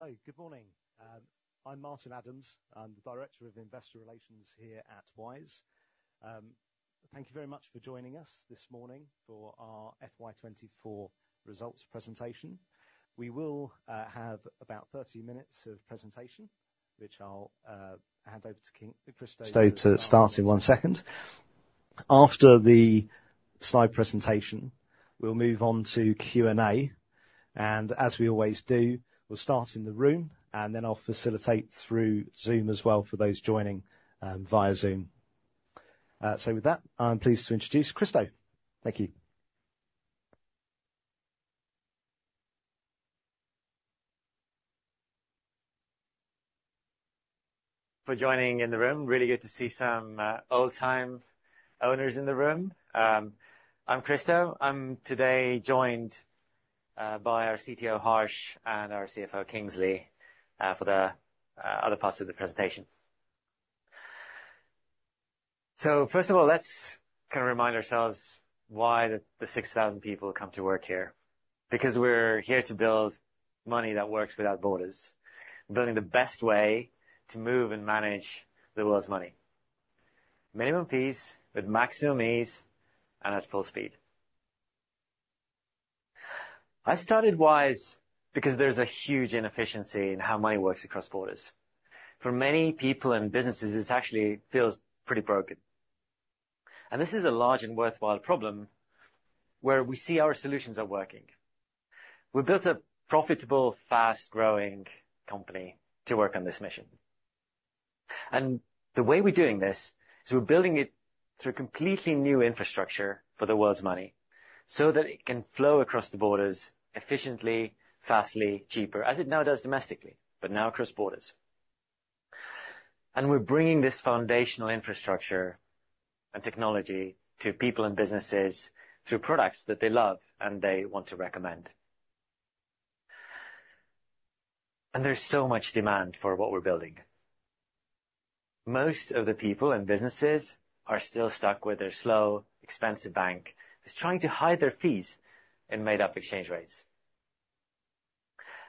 Hello, good morning. I'm Martin Adams. I'm the Director of Investor Relations here at Wise. Thank you very much for joining us this morning for our FY24 results presentation. We will have about 30 minutes of presentation, which I'll hand over to Kristo to start in one second. After the slide presentation, we'll move on to Q&A, and as we always do, we'll start in the room, and then I'll facilitate through Zoom as well for those joining via Zoom. So with that, I'm pleased to introduce Kristo. Thank you. For joining in the room. Really good to see some old-time owners in the room. I'm Kristo. I'm today joined by our CTO, Harsh, and our CFO, Kingsley, for the other parts of the presentation. So first of all, let's kind of remind ourselves why the 6,000 people come to work here. Because we're here to build money that works without borders, building the best way to move and manage the world's money. Minimum fees with maximum ease and at full speed. I started Wise because there's a huge inefficiency in how money works across borders. For many people and businesses, this actually feels pretty broken. And this is a large and worthwhile problem where we see our solutions are working. We've built a profitable, fast-growing company to work on this mission. And the way we're doing this, is we're building it through a completely new infrastructure for the world's money so that it can flow across the borders efficiently, fastly, cheaper, as it now does domestically, but now across borders. And we're bringing this foundational infrastructure and technology to people and businesses through products that they love and they want to recommend. And there's so much demand for what we're building. Most of the people and businesses are still stuck with their slow, expensive bank, who's trying to hide their fees in made-up exchange rates.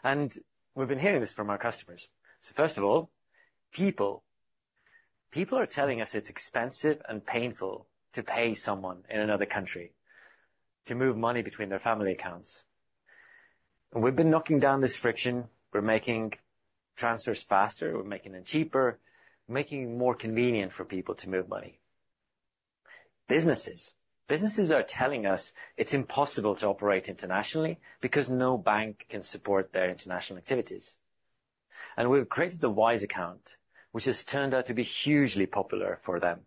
And we've been hearing this from our customers. So first of all, people. People are telling us it's expensive and painful to pay someone in another country to move money between their family accounts. And we've been knocking down this friction. We're making transfers faster, we're making them cheaper, making it more convenient for people to move money. Businesses. Businesses are telling us it's impossible to operate internationally because no bank can support their international activities. And we've created the Wise Account, which has turned out to be hugely popular for them.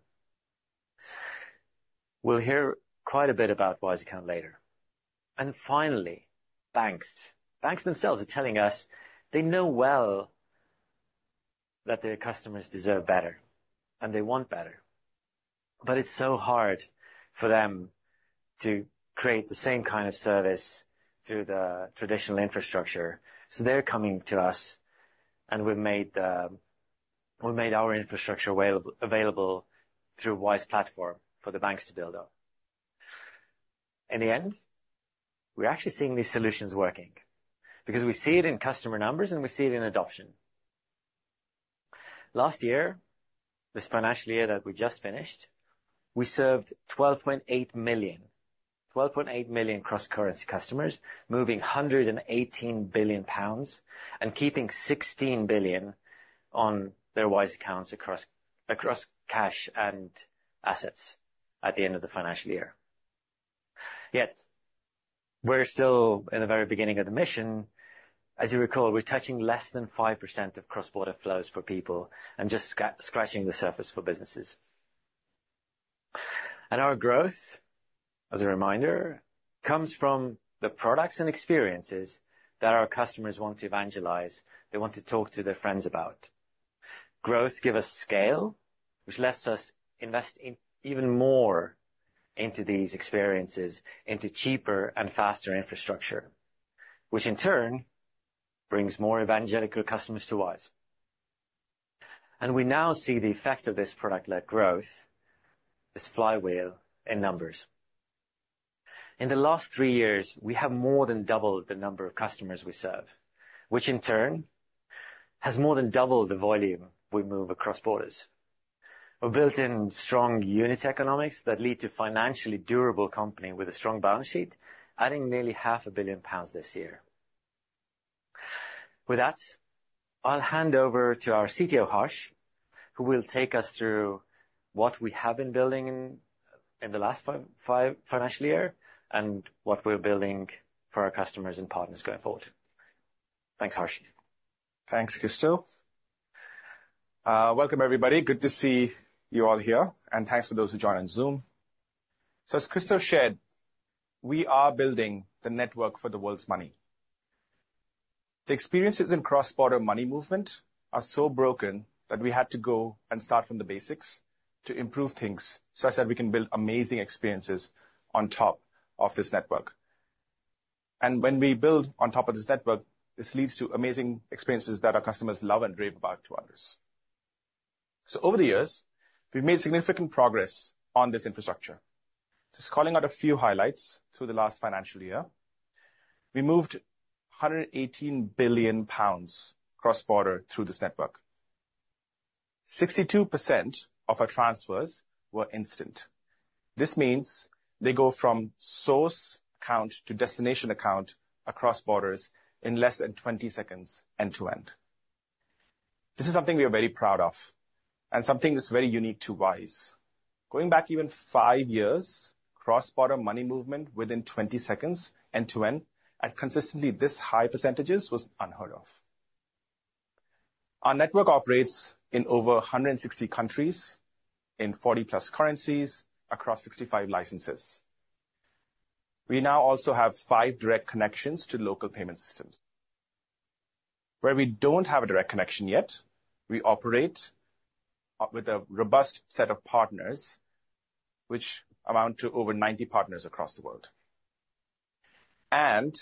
We'll hear quite a bit about Wise Account later. And finally, banks. Banks themselves are telling us they know well that their customers deserve better, and they want better, but it's so hard for them to create the same kind of service through the traditional infrastructure. So they're coming to us, and we've made our infrastructure available through Wise Platform for the banks to build on. In the end, we're actually seeing these solutions working because we see it in customer numbers, and we see it in adoption. Last year, this financial year that we just finished, we served 12.8 million, 12.8 million cross-currency customers, moving 118 billion pounds and keeping 16 billion on their Wise accounts across, across cash and assets at the end of the financial year. Yet, we're still in the very beginning of the mission. As you recall, we're touching less than 5% of cross-border flows for people and just scratching the surface for businesses. Our growth, as a reminder, comes from the products and experiences that our customers want to evangelize, they want to talk to their friends about. Growth give us scale, which lets us invest in even more into these experiences, into cheaper and faster infrastructure, which in turn brings more evangelical customers to us. We now see the effect of this product-led growth, this flywheel, in numbers. In the last 3 years, we have more than doubled the number of customers we serve, which in turn has more than doubled the volume we move across borders. We're built in strong unit economics that lead to financially durable company with a strong balance sheet, adding nearly 500 million pounds this year. With that, I'll hand over to our CTO, Harsh, who will take us through what we have been building in the last five financial year, and what we're building for our customers and partners going forward. Thanks, Harsh. Thanks, Kristo. Welcome, everybody. Good to see you all here, and thanks for those who joined on Zoom. So as Kristo shared, we are building the network for the world's money. The experiences in cross-border money movement are so broken that we had to go and start from the basics to improve things such that we can build amazing experiences on top of this network. And when we build on top of this network, this leads to amazing experiences that our customers love and rave about to others. So over the years, we've made significant progress on this infrastructure. Just calling out a few highlights through the last financial year, we moved 118 billion pounds cross-border through this network. 62% of our transfers were instant. This means they go from source account to destination account across borders in less than 20 seconds end-to-end. This is something we are very proud of and something that's very unique to Wise. Going back even 5 years, cross-border money movement within 20 seconds end-to-end at consistently this high percentages was unheard of. Our network operates in over 160 countries, in 40+ currencies, across 65 licenses. We now also have 5 direct connections to local payment systems. Where we don't have a direct connection yet, we operate with a robust set of partners, which amount to over 90 partners across the world. And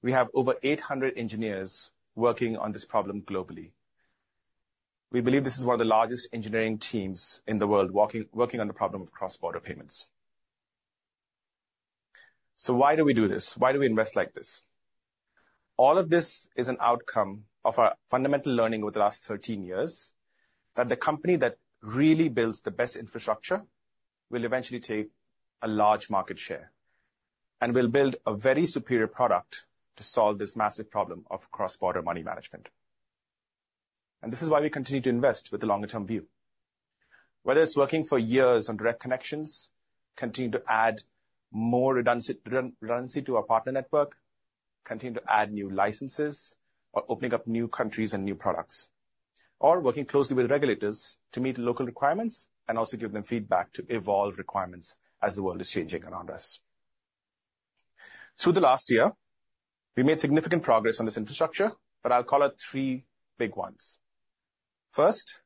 we have over 800 engineers working on this problem globally. We believe this is one of the largest engineering teams in the world working on the problem of cross-border payments. So why do we do this? Why do we invest like this? All of this is an outcome of our fundamental learning over the last 13 years, that the company that really builds the best infrastructure will eventually take a large market share, and will build a very superior product to solve this massive problem of cross-border money management. This is why we continue to invest with a longer-term view. Whether it's working for years on direct connections, continue to add more redundancy to our partner network, continue to add new licenses, or opening up new countries and new products, or working closely with regulators to meet local requirements, and also give them feedback to evolve requirements as the world is changing around us. Through the last year, we made significant progress on this infrastructure, but I'll call out three big ones. First,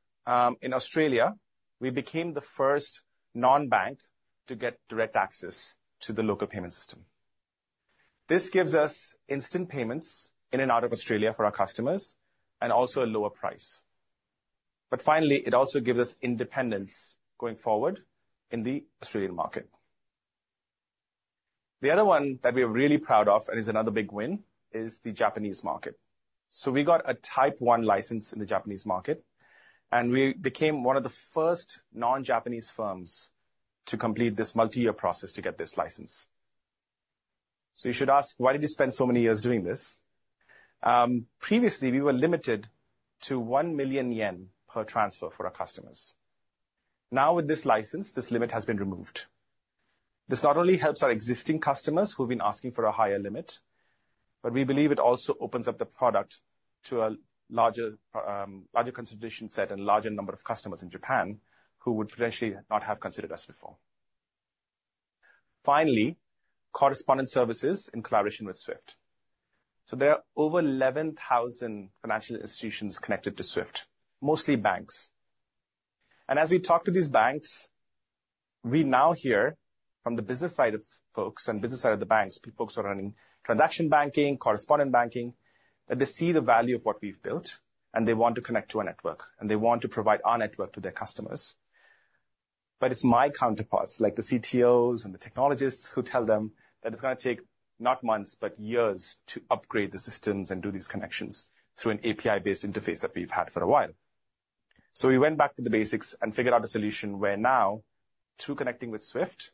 in Australia, we became the first non-bank to get direct access to the local payment system. This gives us instant payments in and out of Australia for our customers, and also a lower price. But finally, it also gives us independence going forward in the Australian market. The other one that we are really proud of, and is another big win, is the Japanese market. So we got a Type 1 license in the Japanese market, and we became one of the first non-Japanese firms to complete this multi-year process to get this license. So you should ask: Why did you spend so many years doing this? Previously, we were limited to 1 million yen per transfer for our customers. Now, with this license, this limit has been removed. This not only helps our existing customers who've been asking for a higher limit, but we believe it also opens up the product to a larger consideration set and larger number of customers in Japan who would potentially not have considered us before. Finally, correspondent services in collaboration with SWIFT. So there are over 11,000 financial institutions connected to SWIFT, mostly banks. And as we talk to these banks, we now hear from the business side of folks and business side of the banks, the folks who are running transaction banking, correspondent banking, that they see the value of what we've built, and they want to connect to our network, and they want to provide our network to their customers. But it's my counterparts, like the CTOs and the technologists, who tell them that it's going to take not months, but years, to upgrade the systems and do these connections through an API-based interface that we've had for a while. So we went back to the basics and figured out a solution where now, through connecting with SWIFT,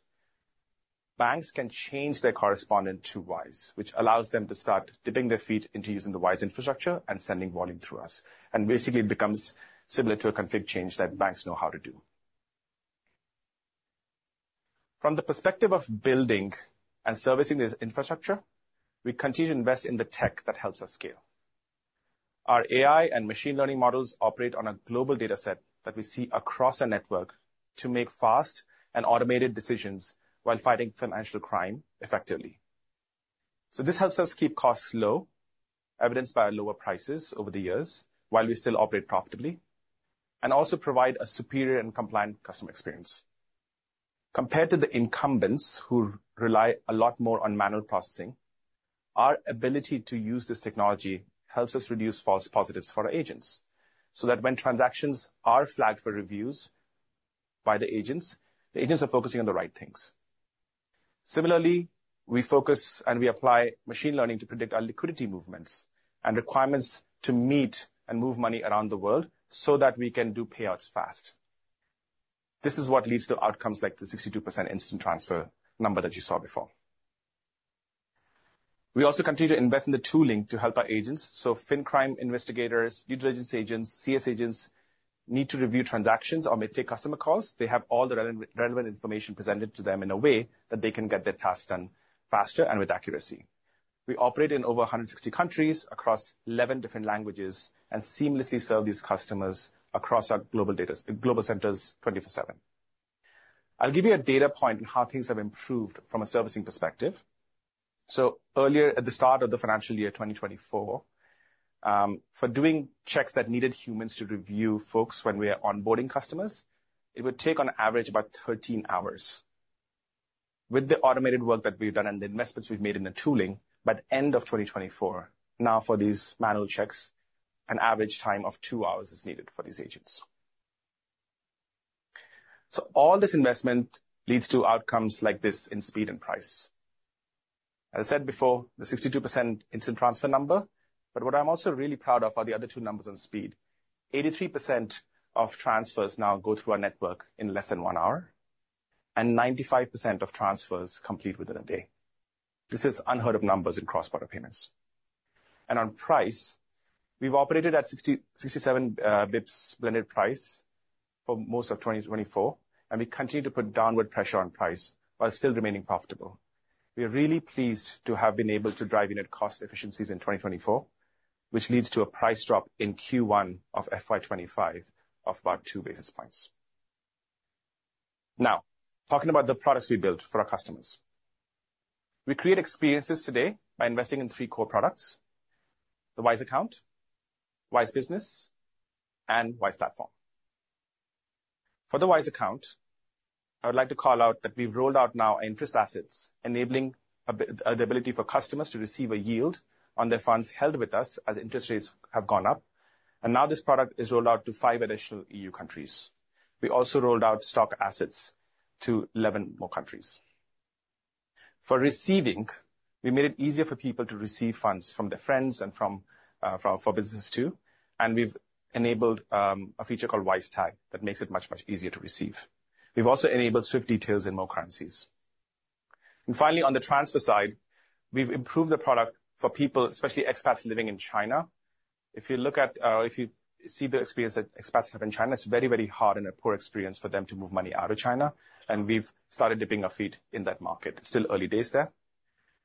banks can change their correspondent to Wise, which allows them to start dipping their feet into using the Wise infrastructure and sending volume through us. And basically, it becomes similar to a config change that banks know how to do. From the perspective of building and servicing this infrastructure, we continue to invest in the tech that helps us scale. Our AI and machine learning models operate on a global data set that we see across our network to make fast and automated decisions while fighting financial crime effectively. So this helps us keep costs low, evidenced by our lower prices over the years, while we still operate profitably, and also provide a superior and compliant customer experience. Compared to the incumbents, who rely a lot more on manual processing, our ability to use this technology helps us reduce false positives for our agents, so that when transactions are flagged for reviews by the agents, the agents are focusing on the right things. Similarly, we focus and we apply machine learning to predict our liquidity movements and requirements to meet and move money around the world so that we can do payouts fast. This is what leads to outcomes like the 62% instant transfer number that you saw before. We also continue to invest in the tooling to help our agents. So fin crime investigators, due diligence agents, CS agents, need to review transactions or may take customer calls. They have all the relevant information presented to them in a way that they can get their tasks done faster and with accuracy. We operate in over 160 countries across 11 different languages and seamlessly serve these customers across our global data centers 24/7. I'll give you a data point on how things have improved from a servicing perspective. Earlier, at the start of the financial year 2024, for doing checks that needed humans to review folks when we are onboarding customers, it would take on average about 13 hours. With the automated work that we've done and the investments we've made in the tooling, by end of 2024, now for these manual checks, an average time of 2 hours is needed for these agents. So all this investment leads to outcomes like this in speed and price. As I said before, the 62% instant transfer number, but what I'm also really proud of are the other two numbers on speed. 83% of transfers now go through our network in less than 1 hour, and 95% of transfers complete within a day. This is unheard of numbers in cross-border payments. And on price, we've operated at 60-67 basis points blended price for most of 2024, and we continue to put downward pressure on price while still remaining profitable. We are really pleased to have been able to drive unit cost efficiencies in 2024, which leads to a price drop in Q1 of FY 2025 of about two basis points. Now, talking about the products we built for our customers. We create experiences today by investing in three core products: the Wise Account, Wise Business, and Wise Platform. For the Wise Account, I would like to call out that we've rolled out now interest assets, enabling the ability for customers to receive a yield on their funds held with us as interest rates have gone up. Now this product is rolled out to five additional EU countries. We also rolled out stock assets to 11 more countries. For receiving, we made it easier for people to receive funds from their friends and for business, too. And we've enabled a feature called WiseTag that makes it much, much easier to receive. We've also enabled SWIFT details in more currencies. And finally, on the transfer side, we've improved the product for people, especially expats living in China. If you look at, if you see the experience that expats have in China, it's very, very hard and a poor experience for them to move money out of China, and we've started dipping our feet in that market. Still early days there.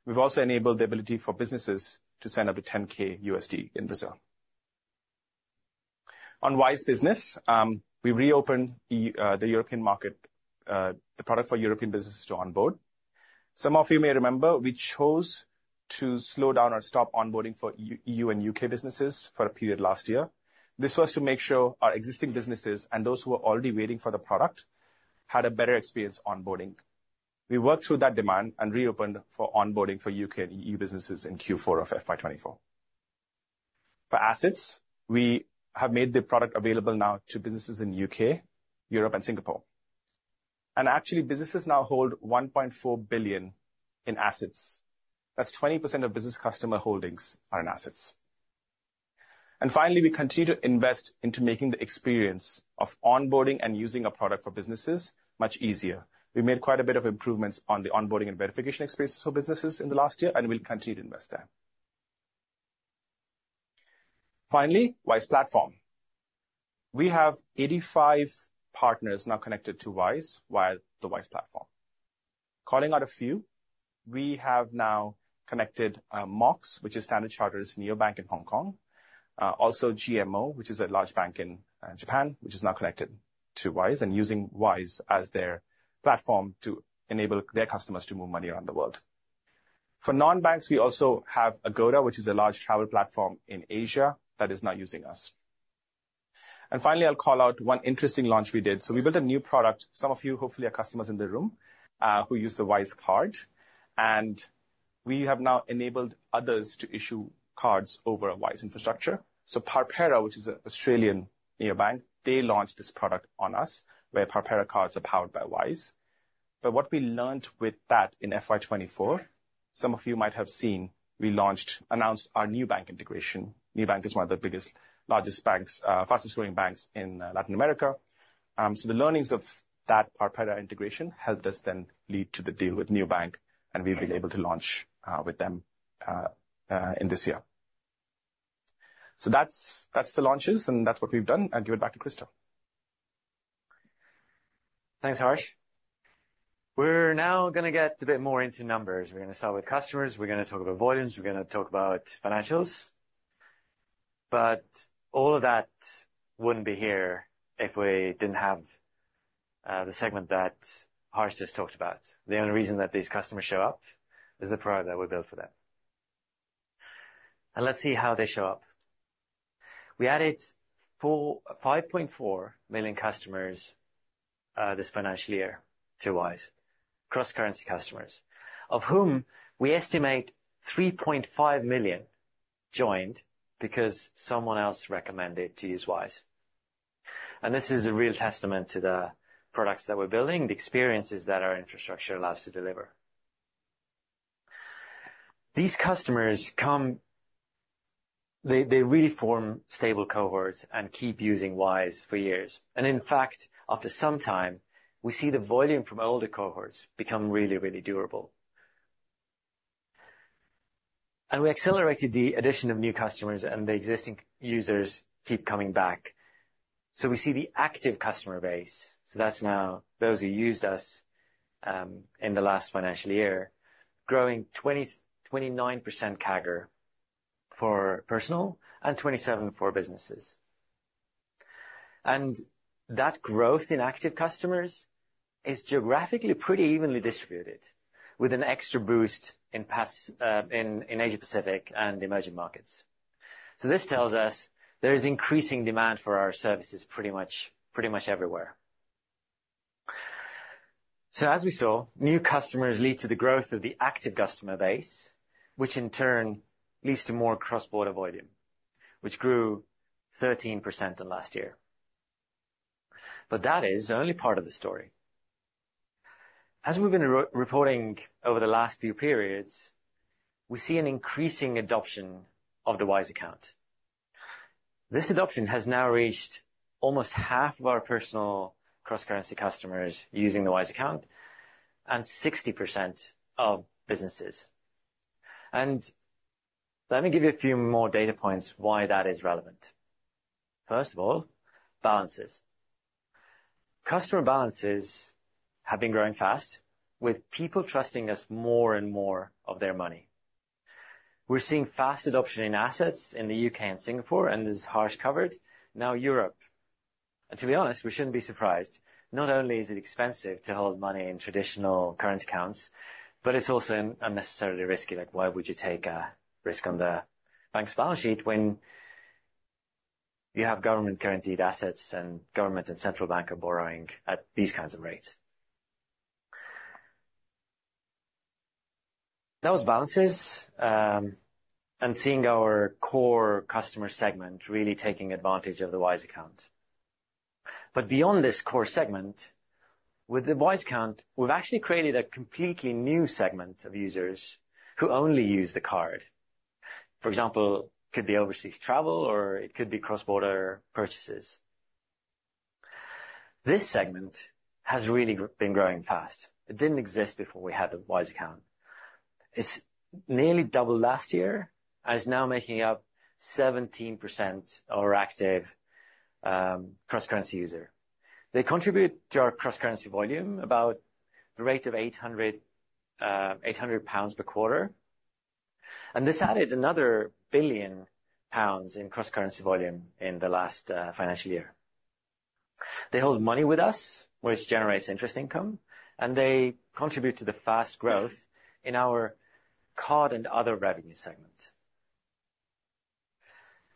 We've also enabled the ability for businesses to send up to $10,000 in Brazil. On Wise Business, we reopened the, the European market, the product for European businesses to onboard. Some of you may remember, we chose to slow down or stop onboarding for EU and UK businesses for a period last year. This was to make sure our existing businesses and those who were already waiting for the product had a better experience onboarding. We worked through that demand and reopened for onboarding for UK and EU businesses in Q4 of FY 2024. For assets, we have made the product available now to businesses in UK, Europe, and Singapore. And actually, businesses now hold 1.4 billion in assets. That's 20% of business customer holdings are in assets. And finally, we continue to invest into making the experience of onboarding and using a product for businesses much easier. We made quite a bit of improvements on the onboarding and verification experience for businesses in the last year, and we'll continue to invest there. Finally, Wise Platform. We have 85 partners now connected to Wise via the Wise Platform. Calling out a few, we have now connected Mox, which is Standard Chartered's neobank in Hong Kong. Also GMO, which is a large bank in Japan, which is now connected to Wise and using Wise as their platform to enable their customers to move money around the world. For non-banks, we also have Agoda, which is a large travel platform in Asia that is now using us. And finally, I'll call out one interesting launch we did. So we built a new product. Some of you, hopefully, are customers in the room who use the Wise Card, and we have now enabled others to issue cards over our Wise infrastructure. So Parpera, which is an Australian neobank, they launched this product on us, where Parpera cards are powered by Wise. But what we learned with that in FY24, some of you might have seen, we launched. Announced our new bank integration. Nubank is one of the biggest, largest banks, fastest-growing banks in Latin America. So the learnings of that Parpera integration helped us then lead to the deal with Nubank, and we've been able to launch with them in this year. So that's, that's the launches, and that's what we've done. I'll give it back to Kristo. Thanks, Harsh. We're now gonna get a bit more into numbers. We're gonna start with customers. We're gonna talk about volumes. We're gonna talk about financials. But all of that wouldn't be here if we didn't have the segment that Harsh just talked about. The only reason that these customers show up is the product that we built for them. And let's see how they show up. We added 5.4 million customers this financial year to Wise, cross-currency customers, of whom we estimate 3.5 million joined because someone else recommended to use Wise. And this is a real testament to the products that we're building, the experiences that our infrastructure allows to deliver. These customers come. They, they really form stable cohorts and keep using Wise for years. In fact, after some time, we see the volume from older cohorts become really, really durable. We accelerated the addition of new customers, and the existing users keep coming back. We see the active customer base, so that's now those who used us in the last financial year, growing 29% CAGR for personal and 27% for businesses. That growth in active customers is geographically pretty evenly distributed, with an extra boost in APAC and emerging markets. This tells us there is increasing demand for our services pretty much, pretty much everywhere. As we saw, new customers lead to the growth of the active customer base, which in turn leads to more cross-border volume, which grew 13% than last year. But that is only part of the story. As we've been re-reporting over the last few periods, we see an increasing adoption of the Wise account. This adoption has now reached almost half of our personal cross-currency customers using the Wise account and 60% of businesses. Let me give you a few more data points why that is relevant. First of all, balances. Customer balances have been growing fast, with people trusting us more and more of their money. We're seeing fast adoption in assets in the U.K. and Singapore, and as Harsh covered, now Europe. To be honest, we shouldn't be surprised. Not only is it expensive to hold money in traditional current accounts, but it's also unnecessarily risky. Like, why would you take a risk on the bank's balance sheet when you have government-guaranteed assets and government and central bank are borrowing at these kinds of rates? That was balances, and seeing our core customer segment really taking advantage of the Wise account. But beyond this core segment, with the Wise account, we've actually created a completely new segment of users who only use the card. For example, could be overseas travel, or it could be cross-border purchases. This segment has really been growing fast. It didn't exist before we had the Wise account. It's nearly double last year and is now making up 17% of our active, cross-currency user. They contribute to our cross-currency volume about the rate of 800 pounds per quarter, and this added another 1 billion pounds in cross-currency volume in the last financial year. They hold money with us, which generates interest income, and they contribute to the fast growth in our card and other revenue segments.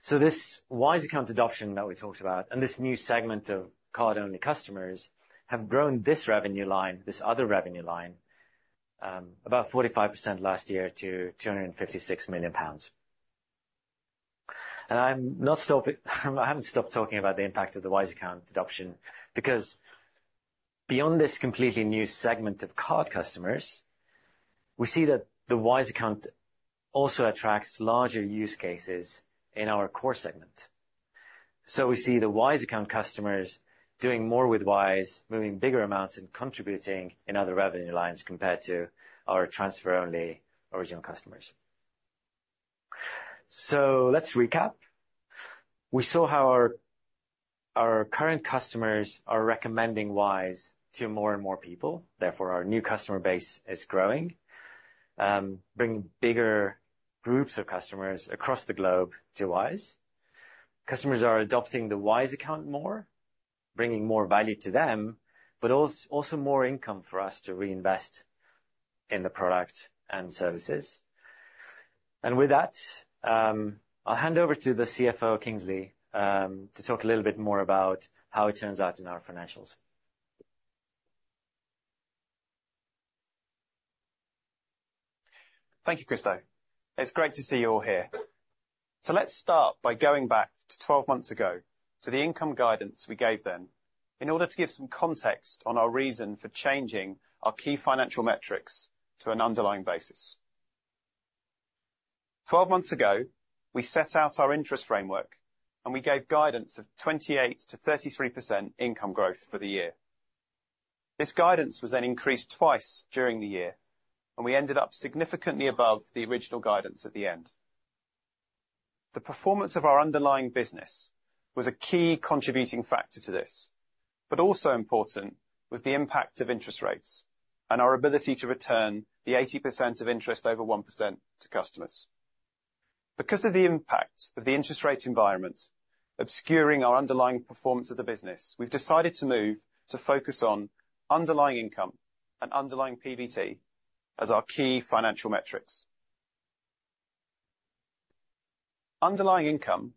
So this Wise Account adoption that we talked about and this new segment of card-only customers have grown this revenue line, this other revenue line, about 45% last year to 256 million pounds. And I'm not stopping—I haven't stopped talking about the impact of the Wise Account adoption because beyond this completely new segment of card customers, we see that the Wise Account also attracts larger use cases in our core segment. So we see the Wise Account customers doing more with Wise, moving bigger amounts, and contributing in other revenue lines compared to our transfer-only original customers. So let's recap. We saw how our current customers are recommending Wise to more and more people. Therefore, our new customer base is growing, bringing bigger groups of customers across the globe to Wise. Customers are adopting the Wise Account more, bringing more value to them, but also more income for us to reinvest in the product and services. With that, I'll hand over to the CFO, Kingsley, to talk a little bit more about how it turns out in our financials. Thank you, Kristo. It's great to see you all here. Let's start by going back to 12 months ago to the income guidance we gave then, in order to give some context on our reason for changing our key financial metrics to an underlying basis. Twelve months ago, we set out our interest framework, and we gave guidance of 28%-33% income growth for the year. This guidance was then increased twice during the year, and we ended up significantly above the original guidance at the end. The performance of our underlying business was a key contributing factor to this, but also important was the impact of interest rates and our ability to return the 80% of interest over 1% to customers. Because of the impact of the interest rate environment obscuring our underlying performance of the business, we've decided to move to focus on underlying income and underlying PBT as our key financial metrics. Underlying income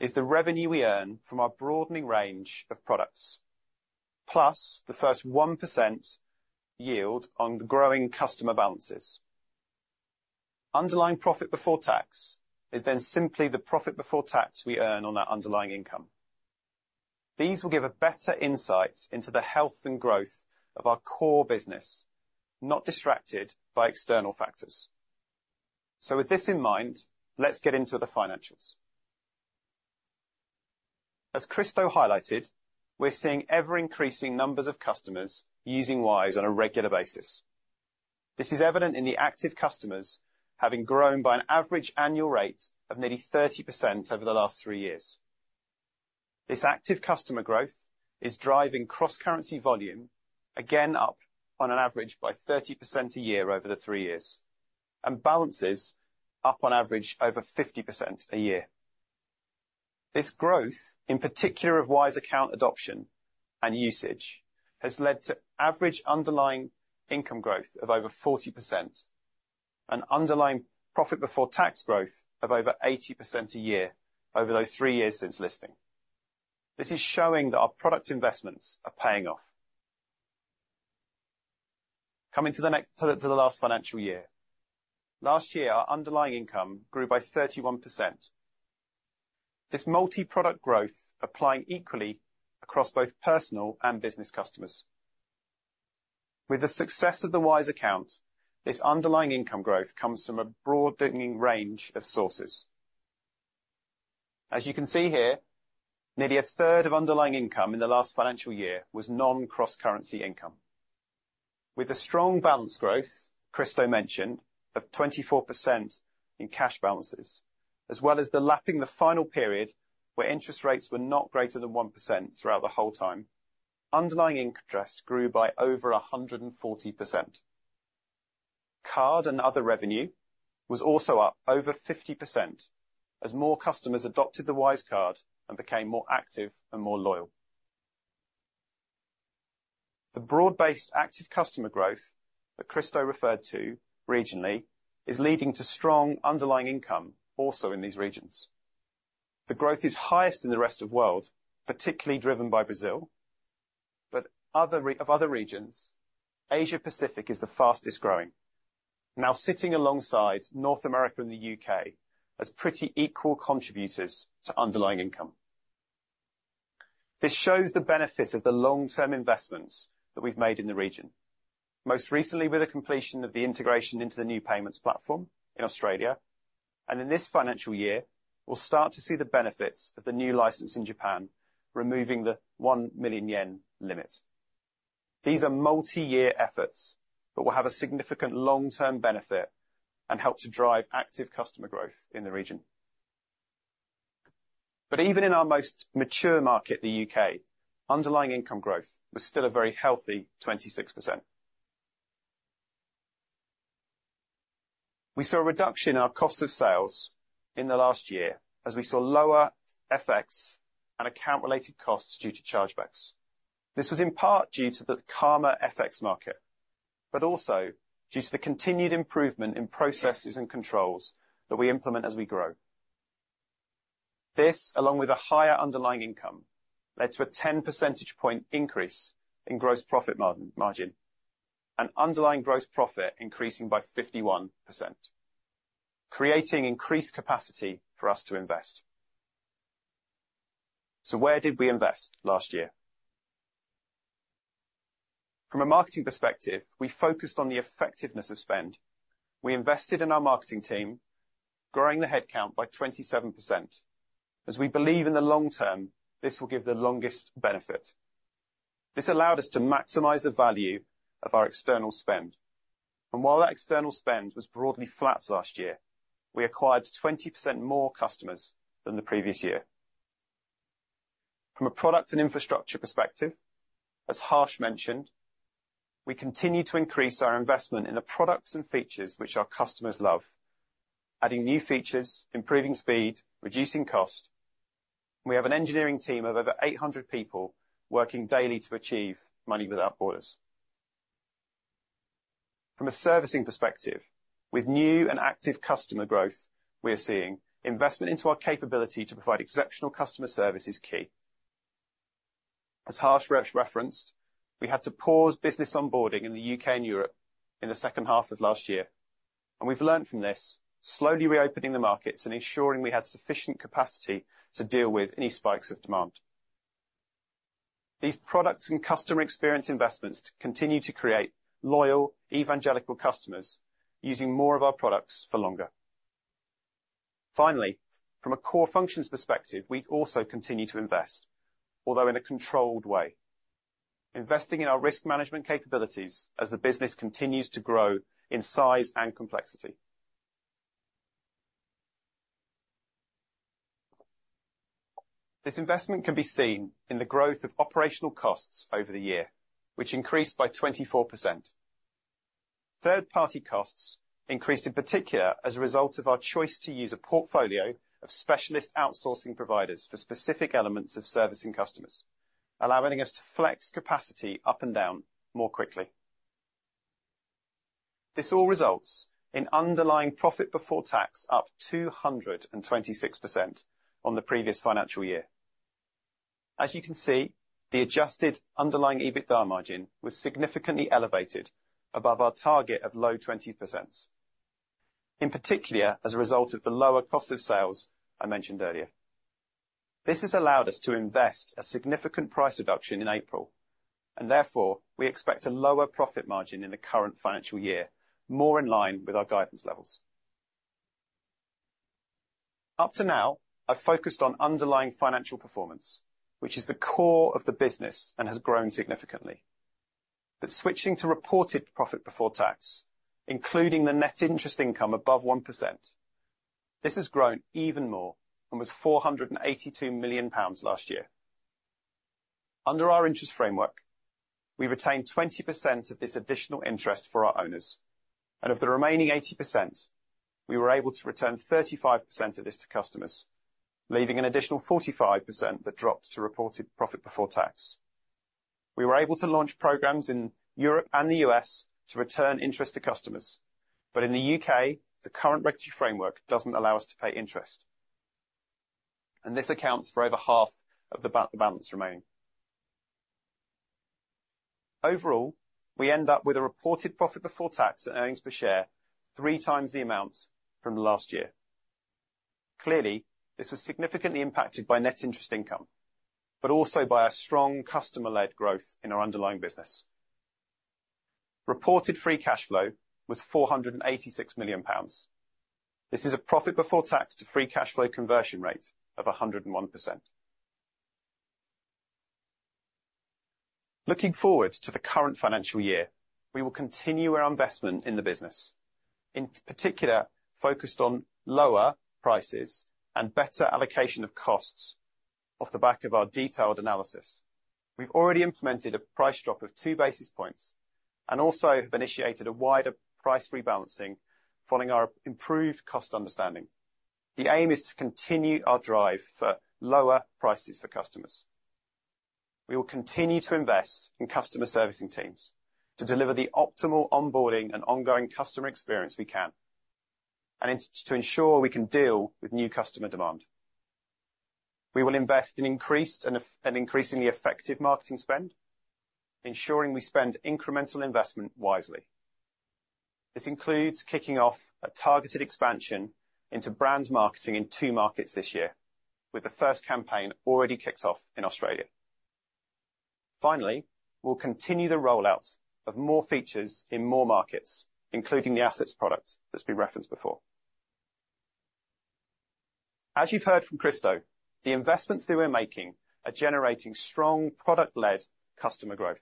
is the revenue we earn from our broadening range of products, plus the first 1% yield on the growing customer balances. Underlying profit before tax is then simply the profit before tax we earn on that underlying income. These will give a better insight into the health and growth of our core business, not distracted by external factors. So with this in mind, let's get into the financials. As Kristo highlighted, we're seeing ever-increasing numbers of customers using Wise on a regular basis. This is evident in the active customers having grown by an average annual rate of nearly 30% over the last 3 years. This active customer growth is driving cross-currency volume, again up on average by 30% a year over the 3 years, and balances up on average over 50% a year. This growth, in particular of Wise Account adoption and usage, has led to average underlying income growth of over 40%, and underlying profit before tax growth of over 80% a year over those 3 years since listing. This is showing that our product investments are paying off. Coming to the last financial year. Last year, our underlying income grew by 31%. This multi-product growth applying equally across both personal and business customers. With the success of the Wise Account, this underlying income growth comes from a broad base range of sources. As you can see here, nearly 1/3 of underlying income in the last financial year was non-cross-currency income. With the strong balances growth, Kristo mentioned, of 24% in cash balances, as well as lapping the final period, where interest rates were not greater than 1% throughout the whole time, underlying interest grew by over 140%. Card and other revenue was also up over 50%, as more customers adopted the Wise Card and became more active and more loyal. The broad-based active customer growth that Kristo referred to regionally is leading to strong underlying income also in these regions. The growth is highest in the rest of world, particularly driven by Brazil, but in other regions, Asia Pacific is the fastest growing, now sitting alongside North America and the UK as pretty equal contributors to underlying income. This shows the benefit of the long-term investments that we've made in the region, most recently with the completion of the integration into the New Payments Platform in Australia, and in this financial year, we'll start to see the benefits of the new license in Japan, removing the 1 million yen limit. These are multi-year efforts that will have a significant long-term benefit and help to drive active customer growth in the region. But even in our most mature market, the U.K., underlying income growth was still a very healthy 26%. We saw a reduction in our cost of sales in the last year as we saw lower FX and account-related costs due to chargebacks. This was in part due to the calmer FX market, but also due to the continued improvement in processes and controls that we implement as we grow. This, along with a higher underlying income, led to a 10 percentage point increase in gross profit margin and underlying gross profit increasing by 51%, creating increased capacity for us to invest. So where did we invest last year? From a marketing perspective, we focused on the effectiveness of spend. We invested in our marketing team, growing the headcount by 27%. As we believe in the long term, this will give the longest benefit. This allowed us to maximize the value of our external spend, and while that external spend was broadly flat last year, we acquired 20% more customers than the previous year. From a product and infrastructure perspective, as Harsh mentioned, we continue to increase our investment in the products and features which our customers love, adding new features, improving speed, reducing cost. We have an engineering team of over 800 people working daily to achieve money without borders. From a servicing perspective, with new and active customer growth, we are seeing investment into our capability to provide exceptional customer service is key. As Harsh referenced, we had to pause business onboarding in the UK and Europe in the second half of last year, and we've learned from this, slowly reopening the markets and ensuring we had sufficient capacity to deal with any spikes of demand. These products and customer experience investments continue to create loyal, evangelical customers using more of our products for longer. Finally, from a core functions perspective, we also continue to invest, although in a controlled way, investing in our risk management capabilities as the business continues to grow in size and complexity. This investment can be seen in the growth of operational costs over the year, which increased by 24%. Third-party costs increased, in particular, as a result of our choice to use a portfolio of specialist outsourcing providers for specific elements of servicing customers, allowing us to flex capacity up and down more quickly. This all results in underlying profit before tax, up 226% on the previous financial year. As you can see, the adjusted underlying EBITDA margin was significantly elevated above our target of low 20s%. In particular, as a result of the lower cost of sales I mentioned earlier. This has allowed us to invest a significant price reduction in April, and therefore, we expect a lower profit margin in the current financial year, more in line with our guidance levels. Up to now, I've focused on underlying financial performance, which is the core of the business and has grown significantly. But switching to reported profit before tax, including the net interest income above 1%, this has grown even more and was 482 million pounds last year. Under our interest framework, we retained 20% of this additional interest for our owners, and of the remaining 80%, we were able to return 35% of this to customers, leaving an additional 45% that dropped to reported profit before tax. We were able to launch programs in Europe and the US to return interest to customers. But in the UK, the current regulatory framework doesn't allow us to pay interest, and this accounts for over half of the balance remaining. Overall, we end up with a reported profit before tax and earnings per share, three times the amount from last year. Clearly, this was significantly impacted by net interest income, but also by a strong customer-led growth in our underlying business. Reported free cash flow was 486 million pounds. This is a profit before tax to free cash flow conversion rate of 101%. Looking forward to the current financial year, we will continue our investment in the business, in particular, focused on lower prices and better allocation of costs off the back of our detailed analysis. We've already implemented a price drop of two basis points, and also have initiated a wider price rebalancing following our improved cost understanding. The aim is to continue our drive for lower prices for customers. We will continue to invest in customer servicing teams to deliver the optimal onboarding and ongoing customer experience we can, and to ensure we can deal with new customer demand. We will invest in increased and increasingly effective marketing spend, ensuring we spend incremental investment wisely. This includes kicking off a targeted expansion into brand marketing in two markets this year, with the first campaign already kicked off in Australia. Finally, we'll continue the rollout of more features in more markets, including the Assets product that's been referenced before. As you've heard from Kristo, the investments that we're making are generating strong product-led customer growth.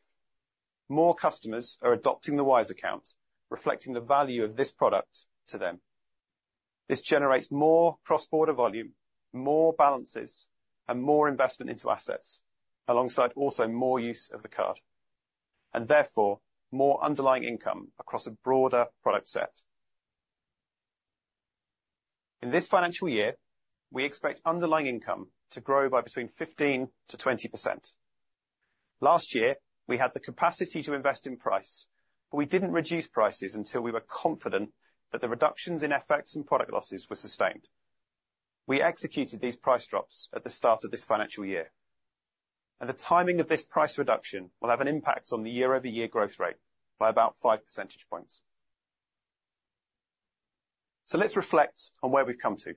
More customers are adopting the Wise Account, reflecting the value of this product to them. This generates more cross-border volume, more balances, and more investment into assets, alongside also more use of the card, and therefore, more underlying income across a broader product set. In this financial year, we expect underlying income to grow by between 15%-20%. Last year, we had the capacity to invest in price, but we didn't reduce prices until we were confident that the reductions in FX and product losses were sustained. We executed these price drops at the start of this financial year, and the timing of this price reduction will have an impact on the year-over-year growth rate by about 5 percentage points. So let's reflect on where we've come to.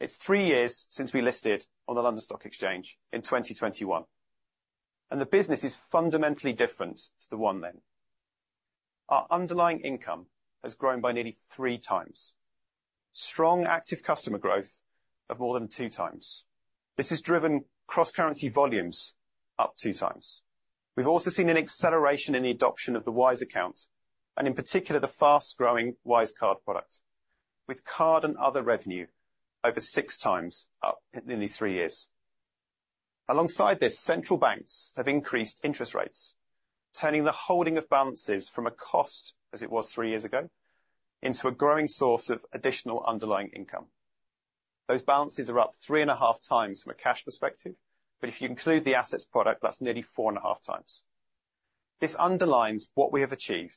It's 3 years since we listed on the London Stock Exchange in 2021, and the business is fundamentally different to the one then. Our underlying income has grown by nearly 3x. Strong active customer growth of more than 2x. This has driven cross-currency volumes up 2x. We've also seen an acceleration in the adoption of the Wise Account, and in particular, the fast-growing Wise Card product, with card and other revenue over 6x up in nearly 3 years. Alongside this, central banks have increased interest rates, turning the holding of balances from a cost, as it was 3 years ago, into a growing source of additional underlying income. Those balances are up 3.5x from a cash perspective, but if you include the assets product, that's nearly 4.5x. This underlines what we have achieved,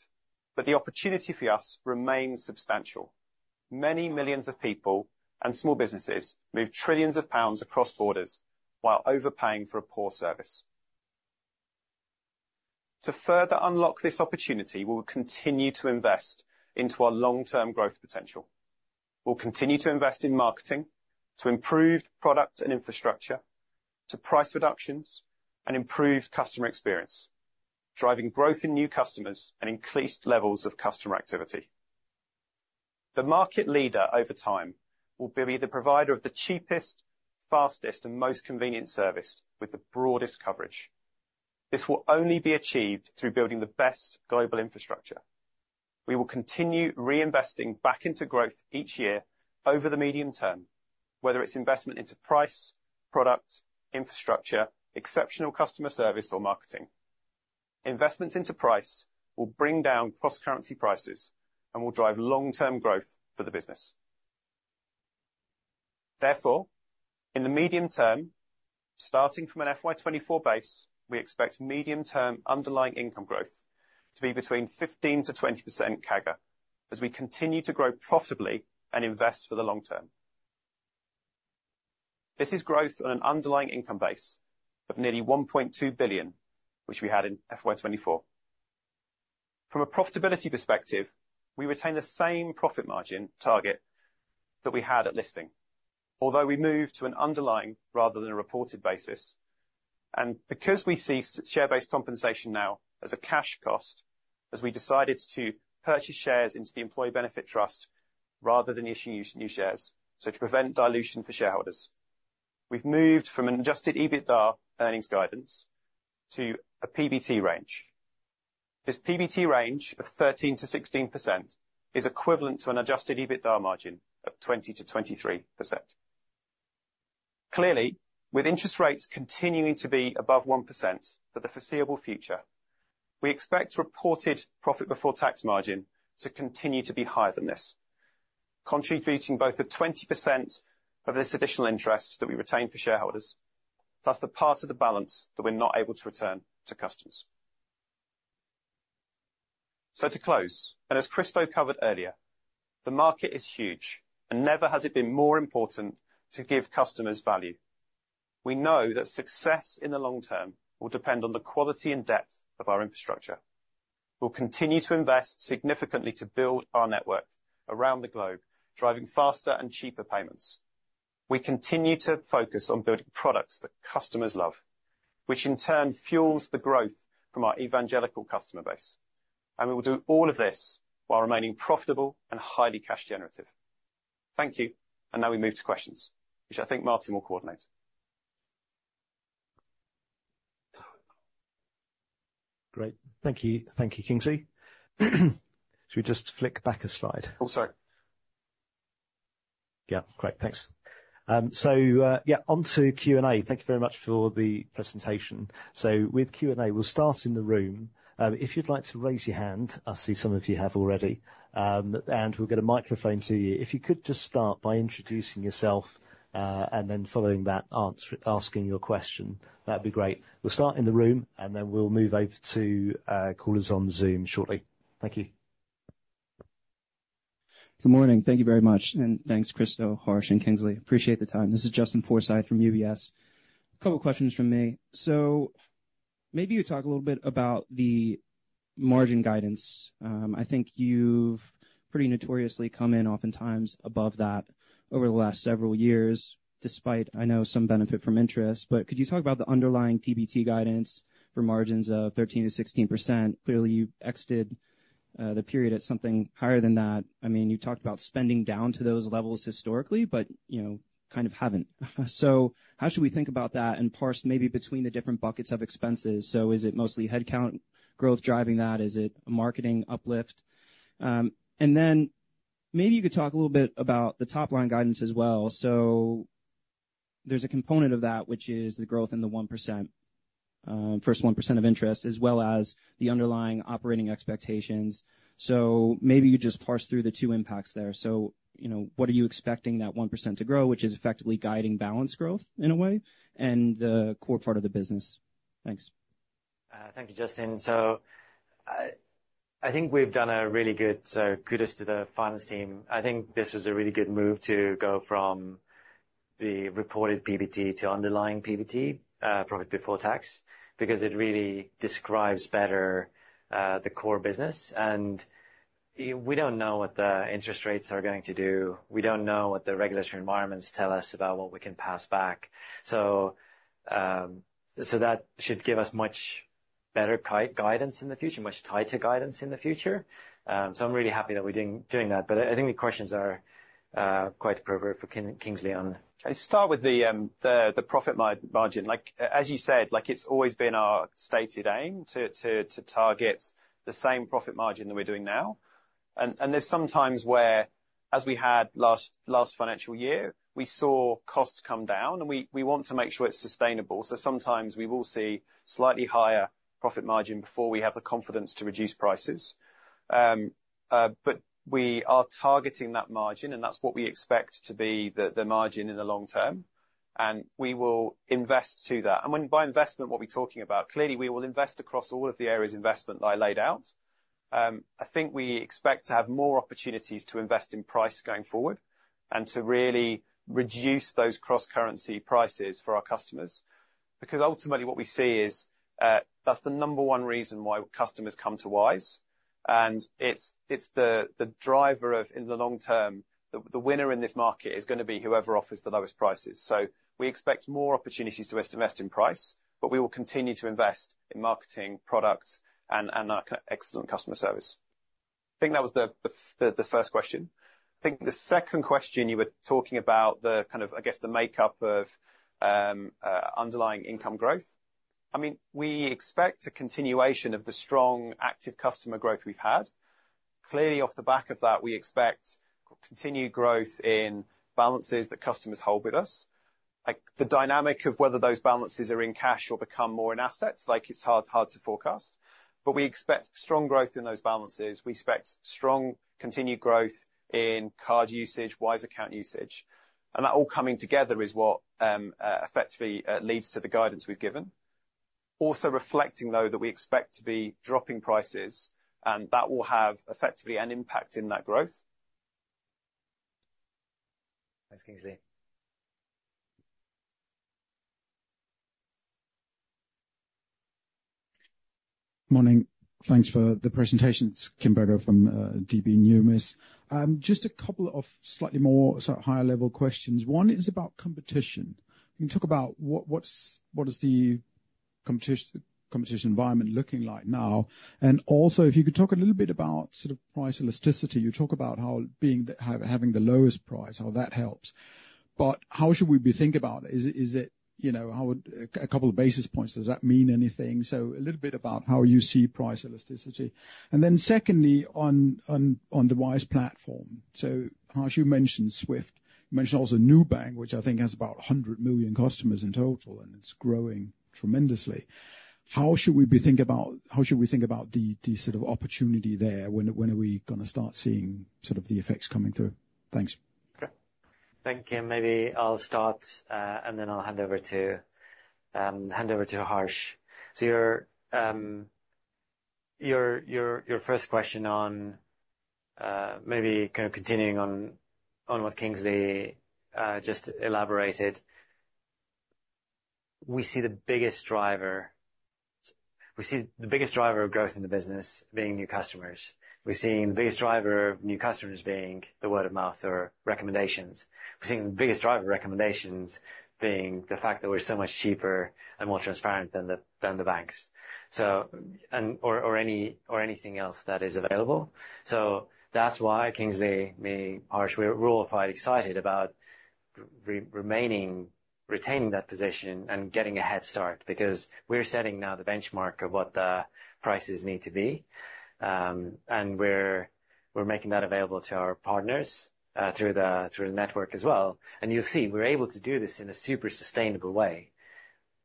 but the opportunity for us remains substantial. Many millions of people and small businesses move trillions of GBP across borders while overpaying for a poor service. To further unlock this opportunity, we will continue to invest into our long-term growth potential. We'll continue to invest in marketing, to improve product and infrastructure, to price reductions and improve customer experience, driving growth in new customers and increased levels of customer activity. The market leader, over time, will be the provider of the cheapest, fastest, and most convenient service with the broadest coverage. This will only be achieved through building the best global infrastructure. We will continue reinvesting back into growth each year over the medium term, whether it's investment into price, product, infrastructure, exceptional customer service, or marketing. Investments into price will bring down cross-currency prices and will drive long-term growth for the business. Therefore, in the medium term, starting from an FY 2024 base, we expect medium-term underlying income growth to be between 15%-20% CAGR, as we continue to grow profitably and invest for the long term. This is growth on an underlying income base of nearly 1.2 billion, which we had in FY 2024. From a profitability perspective, we retain the same profit margin target that we had at listing, although we moved to an underlying rather than a reported basis, and because we see share-based compensation now as a cash cost, as we decided to purchase shares into the employee benefit trust rather than issue new, new shares, so to prevent dilution for shareholders. We've moved from an adjusted EBITDA earnings guidance to a PBT range. This PBT range of 13%-16% is equivalent to an adjusted EBITDA margin of 20%-23%. Clearly, with interest rates continuing to be above 1% for the foreseeable future, we expect reported profit before tax margin to continue to be higher than this, contributing both the 20% of this additional interest that we retain for shareholders, plus the part of the balance that we're not able to return to customers. So to close, and as Kristo covered earlier, the market is huge, and never has it been more important to give customers value. We know that success in the long term will depend on the quality and depth of our infrastructure. We'll continue to invest significantly to build our network around the globe, driving faster and cheaper payments. We continue to focus on building products that customers love, which in turn fuels the growth from our evangelical customer base. We will do all of this while remaining profitable and highly cash generative. Thank you. Now we move to questions, which I think Martin will coordinate. Great. Thank you. Thank you, Kingsley. Should we just flick back a slide? Oh, sorry. Yeah, great. Thanks. So, yeah, on to Q&A. Thank you very much for the presentation. So with Q&A, we'll start in the room. If you'd like to raise your hand, I see some of you have already, and we'll get a microphone to you. If you could just start by introducing yourself, and then following that, asking your question, that'd be great. We'll start in the room, and then we'll move over to callers on Zoom shortly. Thank you. Good morning. Thank you very much. And thanks, Kristo, Harsh, and Kingsley. Appreciate the time. This is Justin Forsythe from UBS. A couple questions from me. So maybe you talk a little bit about the margin guidance. I think you've pretty notoriously come in oftentimes above that over the last several years, despite, I know, some benefit from interest. But could you talk about the underlying PBT guidance for margins of 13%-16%? Clearly, you exited the period at something higher than that. I mean, you talked about spending down to those levels historically, but, you know, kind of haven't. So how should we think about that and parse maybe between the different buckets of expenses? So is it mostly headcount growth driving that? Is it a marketing uplift? And then maybe you could talk a little bit about the top-line guidance as well. So there's a component of that, which is the growth in the 1%, first 1% of interest, as well as the underlying operating expectations. So maybe you just parse through the two impacts there. So, you know, what are you expecting that 1% to grow, which is effectively guiding balance growth in a way, and the core part of the business? Thanks. Thank you, Justin. So, I think we've done a really good, so kudos to the finance team. I think this was a really good move to go from the reported PBT to underlying PBT, profit before tax, because it really describes better the core business. And we don't know what the interest rates are going to do. We don't know what the regulatory environments tell us about what we can pass back. So, so that should give us much better guidance in the future, much tighter guidance in the future. So I'm really happy that we're doing that. But I think the questions are, quite appropriate for Kingsley on. I'll start with the profit margin. Like, as you said, like, it's always been our stated aim to target the same profit margin that we're doing now. And there's some times where, as we had last financial year, we saw costs come down, and we want to make sure it's sustainable. So sometimes we will see slightly higher profit margin before we have the confidence to reduce prices. But we are targeting that margin, and that's what we expect to be the margin in the long term, and we will invest to that. And when by investment, what we're talking about, clearly, we will invest across all of the areas investment that I laid out. I think we expect to have more opportunities to invest in price going forward and to really reduce those cross-currency prices for our customers. Because ultimately, what we see is, that's the number one reason why customers come to Wise, and it's, it's the driver of, in the long term, the winner in this market is gonna be whoever offers the lowest prices. So we expect more opportunities to invest in price, but we will continue to invest in marketing, product, and our excellent customer service. I think that was the first question. I think the second question you were talking about, the kind of, I guess, the makeup of underlying income growth. I mean, we expect a continuation of the strong active customer growth we've had. Clearly, off the back of that, we expect continued growth in balances that customers hold with us. Like, the dynamic of whether those balances are in cash or become more in assets, like, it's hard, hard to forecast, but we expect strong growth in those balances. We expect strong continued growth in card usage, Wise Account usage, and that all coming together is what, effectively, leads to the guidance we've given. Also reflecting, though, that we expect to be dropping prices, and that will have, effectively, an impact in that growth. Thanks, Kingsley. Morning. Thanks for the presentations. Kim Bergoe from DB Numis. Just a couple of slightly more, sort of, higher level questions. One is about competition. Can you talk about what is the competition environment looking like now? And also, if you could talk a little bit about sort of price elasticity. You talk about how being the having the lowest price, how that helps. But how should we be think about? Is it, you know, how would a couple of basis points, does that mean anything? So a little bit about how you see price elasticity. And then secondly, on the Wise Platform. So Harsh, you mentioned SWIFT t. You mentioned also Nubank, which I think has about 100 million customers in total, and it's growing tremendously. How should we think about the sort of opportunity there? When are we going to start seeing sort of the effects coming through? Thanks. Okay. Thank you. Maybe I'll start, and then I'll hand over to, hand over to Harsh. So your first question on, maybe kind of continuing on, on what Kingsley just elaborated. We see the biggest driver... We see the biggest driver of growth in the business being new customers. We're seeing the biggest driver of new customers being the word-of-mouth or recommendations. We're seeing the biggest driver of recommendations being the fact that we're so much cheaper and more transparent than the banks. So, or anything else that is available. So that's why Kingsley, me, Harsh, we're all quite excited about remaining, retaining that position and getting a head start, because we're setting now the benchmark of what the prices need to be. And we're making that available to our partners through the network as well. And you'll see, we're able to do this in a super sustainable way.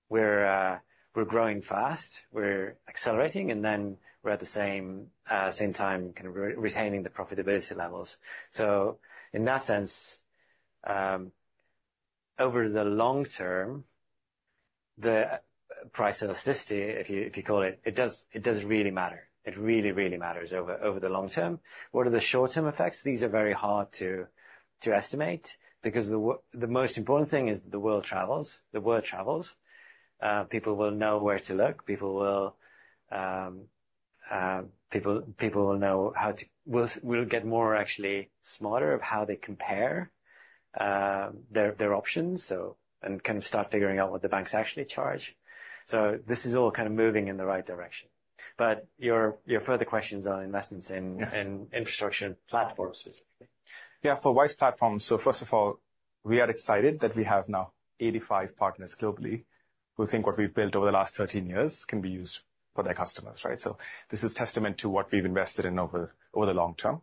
We're growing fast, we're accelerating, and then we're at the same time, kind of retaining the profitability levels. So in that sense, over the long term, the price elasticity, if you call it, it does really matter. It really, really matters over the long term. What are the short-term effects? These are very hard to estimate because the most important thing is the word travels. People will know where to look. People will know how to... Will get more actually smarter of how they compare their options, so, and kind of start figuring out what the banks actually charge. So this is all kind of moving in the right direction. But your further questions on investments in- Yeah. -in infrastructure and platforms, specifically. Yeah, for Wise platforms, so first of all, we are excited that we have now 85 partners globally, who think what we've built over the last 13 years can be used for their customers, right? So this is testament to what we've invested in over the long term.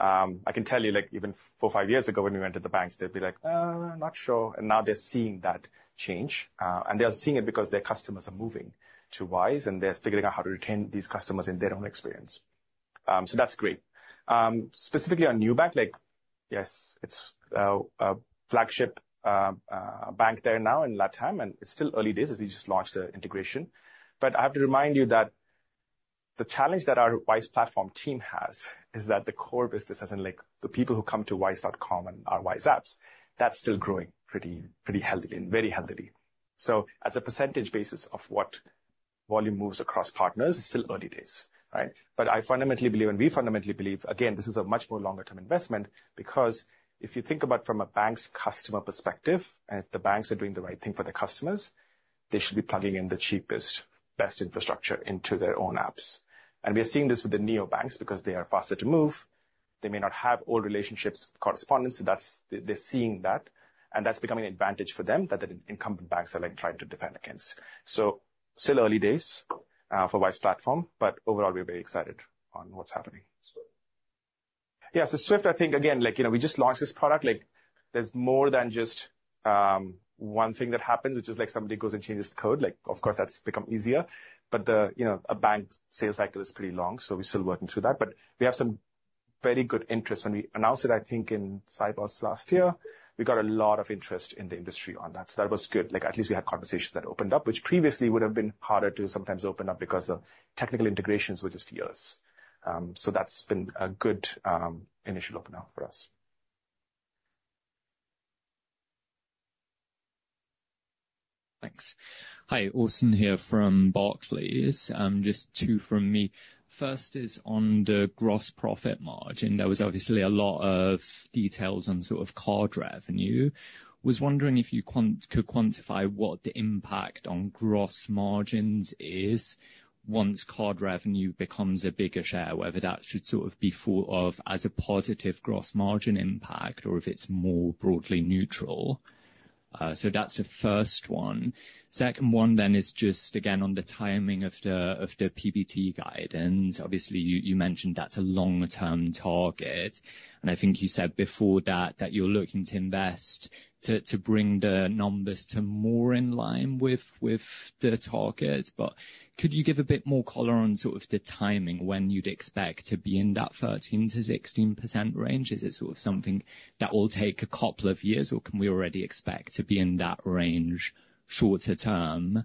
I can tell you, like, even 4, 5 years ago, when we went to the banks, they'd be like, "not sure." And now they're seeing that change, and they are seeing it because their customers are moving to Wise, and they're figuring out how to retain these customers in their own experience. So that's great. Specifically on Nubank, like, yes, it's a flagship bank there now in Latam, and it's still early days, as we just launched the integration. But I have to remind you that the challenge that our Wise Platform team has, is that the core business, as in like the people who come to wise.com and our Wise apps, that's still growing pretty, pretty healthily, and very healthily. So as a percentage basis of what volume moves across partners, it's still early days, right? But I fundamentally believe, and we fundamentally believe, again, this is a much more longer term investment, because if you think about from a bank's customer perspective, and if the banks are doing the right thing for the customers, they should be plugging in the cheapest, best infrastructure into their own apps. And we are seeing this with the neobanks, because they are faster to move. They may not have old relationships with correspondents, so that's. They're seeing that, and that's becoming an advantage for them that the incumbent banks are, like, trying to defend against. So still early days for Wise Platform, but overall, we're very excited on what's happening. So. Yeah, so SWIFT, I think again, like, you know, we just launched this product. Like, there's more than just one thing that happens, which is like somebody goes and changes the code. Like, of course, that's become easier, but the, you know, a bank sales cycle is pretty long, so we're still working through that. But we have some very good interest. When we announced it, I think, in Sibos last year, we got a lot of interest in the industry on that. So that was good. Like, at least we had conversations that opened up, which previously would have been harder to sometimes open up because of technical integrations with just years. So that's been a good initial opener for us. Thanks. Hi, Austin here from Barclays. Just two from me. First is on the gross profit margin. There was obviously a lot of details on sort of card revenue. Was wondering if you could quantify what the impact on gross margins is once card revenue becomes a bigger share, whether that should sort of be thought of as a positive gross margin impact or if it's more broadly neutral? So that's the first one. Second one then is just again on the timing of the PBT guide, and obviously you mentioned that's a longer-term target, and I think you said before that you're looking to invest to bring the numbers to more in line with the target. But could you give a bit more color on sort of the timing, when you'd expect to be in that 13%-16% range? Is it sort of something that will take a couple of years, or can we already expect to be in that range shorter term?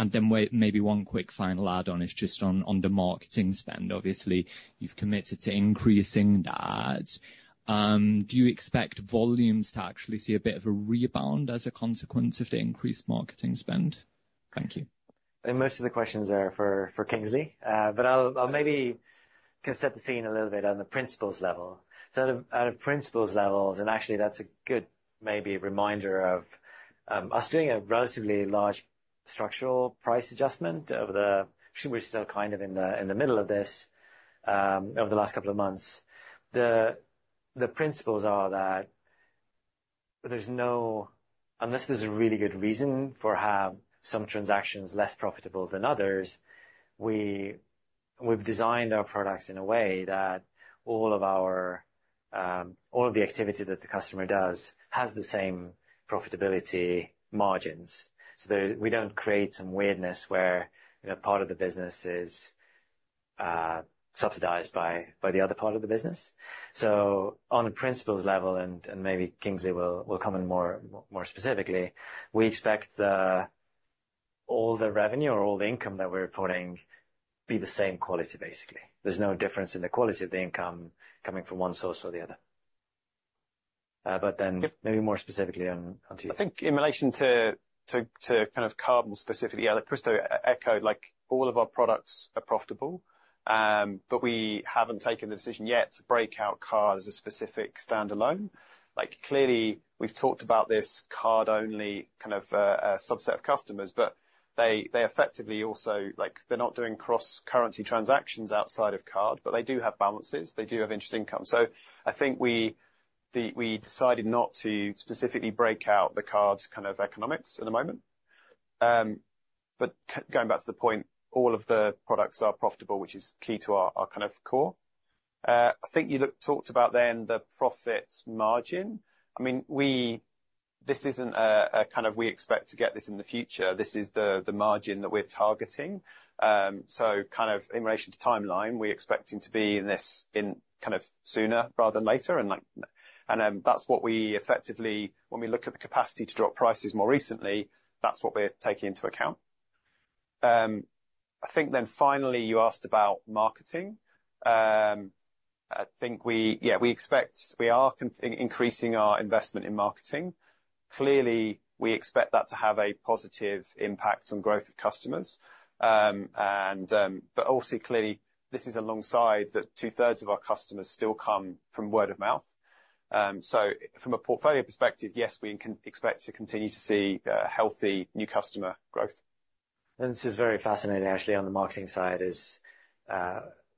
And then maybe one quick final add-on is just on the marketing spend. Obviously, you've committed to increasing that. Do you expect volumes to actually see a bit of a rebound as a consequence of the increased marketing spend? Thank you. I think most of the questions are for Kingsley, but I'll maybe set the scene a little bit on the principles level. So out of principles levels, and actually that's a good maybe reminder of us doing a relatively large structural price adjustment over the - actually, we're still kind of in the middle of this, over the last couple of months. The principles are that there's no - unless there's a really good reason for having some transactions less profitable than others, we've designed our products in a way that all of our all of the activity that the customer does has the same profitability margins. So that we don't create some weirdness where, you know, part of the business is subsidized by the other part of the business. So on a principles level, and maybe Kingsley will come in more specifically, we expect all the revenue or all the income that we're reporting be the same quality, basically. There's no difference in the quality of the income coming from one source or the other. But then maybe more specifically on to you. I think in relation to to kind of card more specifically, yeah, Kristo echoed, like, all of our products are profitable, but we haven't taken the decision yet to break out card as a specific standalone. Like, clearly, we've talked about this card-only kind of a subset of customers, but they effectively also—like, they're not doing cross-currency transactions outside of card, but they do have balances. They do have interest income. So I think we the—we decided not to specifically break out the card's kind of economics at the moment. But going back to the point, all of the products are profitable, which is key to our our kind of core. I think you looked—talked about then the profit margin. I mean, we—this isn't a a kind of we expect to get this in the future. This is the margin that we're targeting. So kind of in relation to timeline, we're expecting to be in this sooner rather than later. That's what we effectively, when we look at the capacity to drop prices more recently, that's what we're taking into account. I think then finally, you asked about marketing. I think we, yeah, we expect... We are increasing our investment in marketing. Clearly, we expect that to have a positive impact on growth of customers. But also, clearly, this is alongside that 2/3 of our customers still come from word of mouth. From a portfolio perspective, yes, we can expect to continue to see healthy new customer growth. This is very fascinating, actually, on the marketing side, is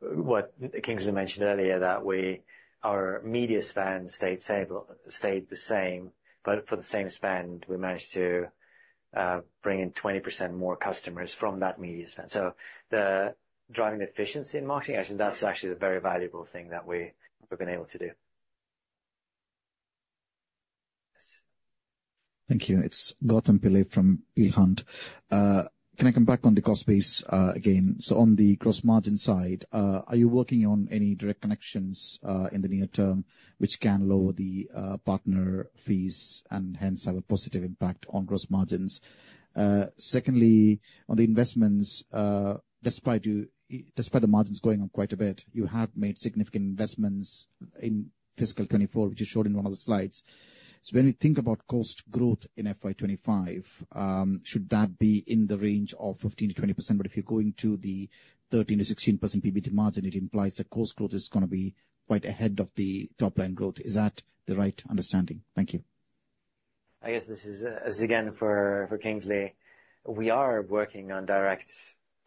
what Kingsley mentioned earlier, that we, our media spend stayed stable, stayed the same, but for the same spend, we managed to bring in 20% more customers from that media spend. So, driving efficiency in marketing, I think that's actually a very valuable thing that we, we've been able to do. Thank you. It's Gautam Pillai from Peel Hunt. Can I come back on the cost base, again? So on the gross margin side, are you working on any direct connections, in the near term which can lower the, partner fees and hence have a positive impact on gross margins? Secondly, on the investments, despite the margins going up quite a bit, you have made significant investments in fiscal 24, which you showed in one of the slides. So when you think about cost growth in FY 25, should that be in the range of 15%-20%? But if you're going to the 13%-16% PBT margin, it implies that cost growth is gonna be quite ahead of the top line growth. Is that the right understanding? Thank you. I guess this is again for Kingsley. We are working on direct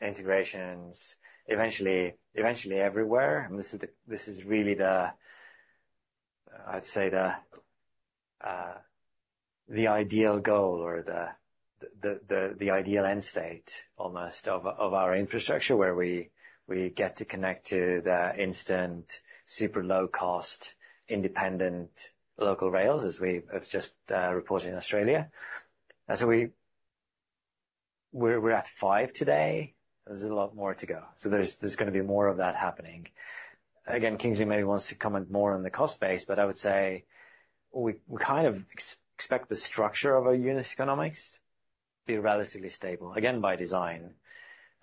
integrations, eventually everywhere. And this is really the, I'd say, the ideal goal or the ideal end state, almost, of our infrastructure, where we get to connect to the instant, super low-cost, independent local rails, as we have just reported in Australia. And so we're at 5 today. There's a lot more to go. So there's gonna be more of that happening. Again, Kingsley maybe wants to comment more on the cost base, but I would say we kind of expect the structure of our unit economics to be relatively stable, again, by design.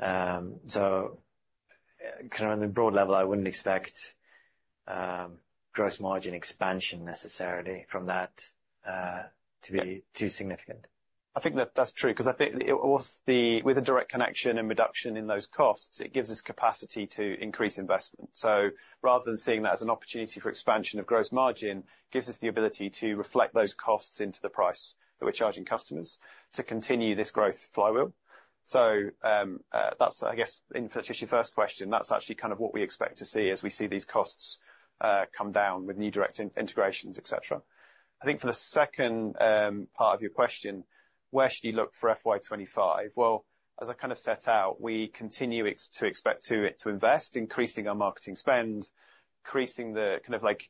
So kind of on a broad level, I wouldn't expect gross margin expansion necessarily from that to be too significant. I think that that's true, 'cause I think it was the with a direct connection and reduction in those costs, it gives us capacity to increase investment. So rather than seeing that as an opportunity for expansion of gross margin, gives us the ability to reflect those costs into the price that we're charging customers to continue this growth flywheel. So, that's, I guess, in fact, is your first question, that's actually kind of what we expect to see as we see these costs, come down with new direct integrations, et cetera. I think for the second, part of your question, where should you look for FY 2025? Well, as I kind of set out, we continue to expect to invest, increasing our marketing spend, increasing the kind of like,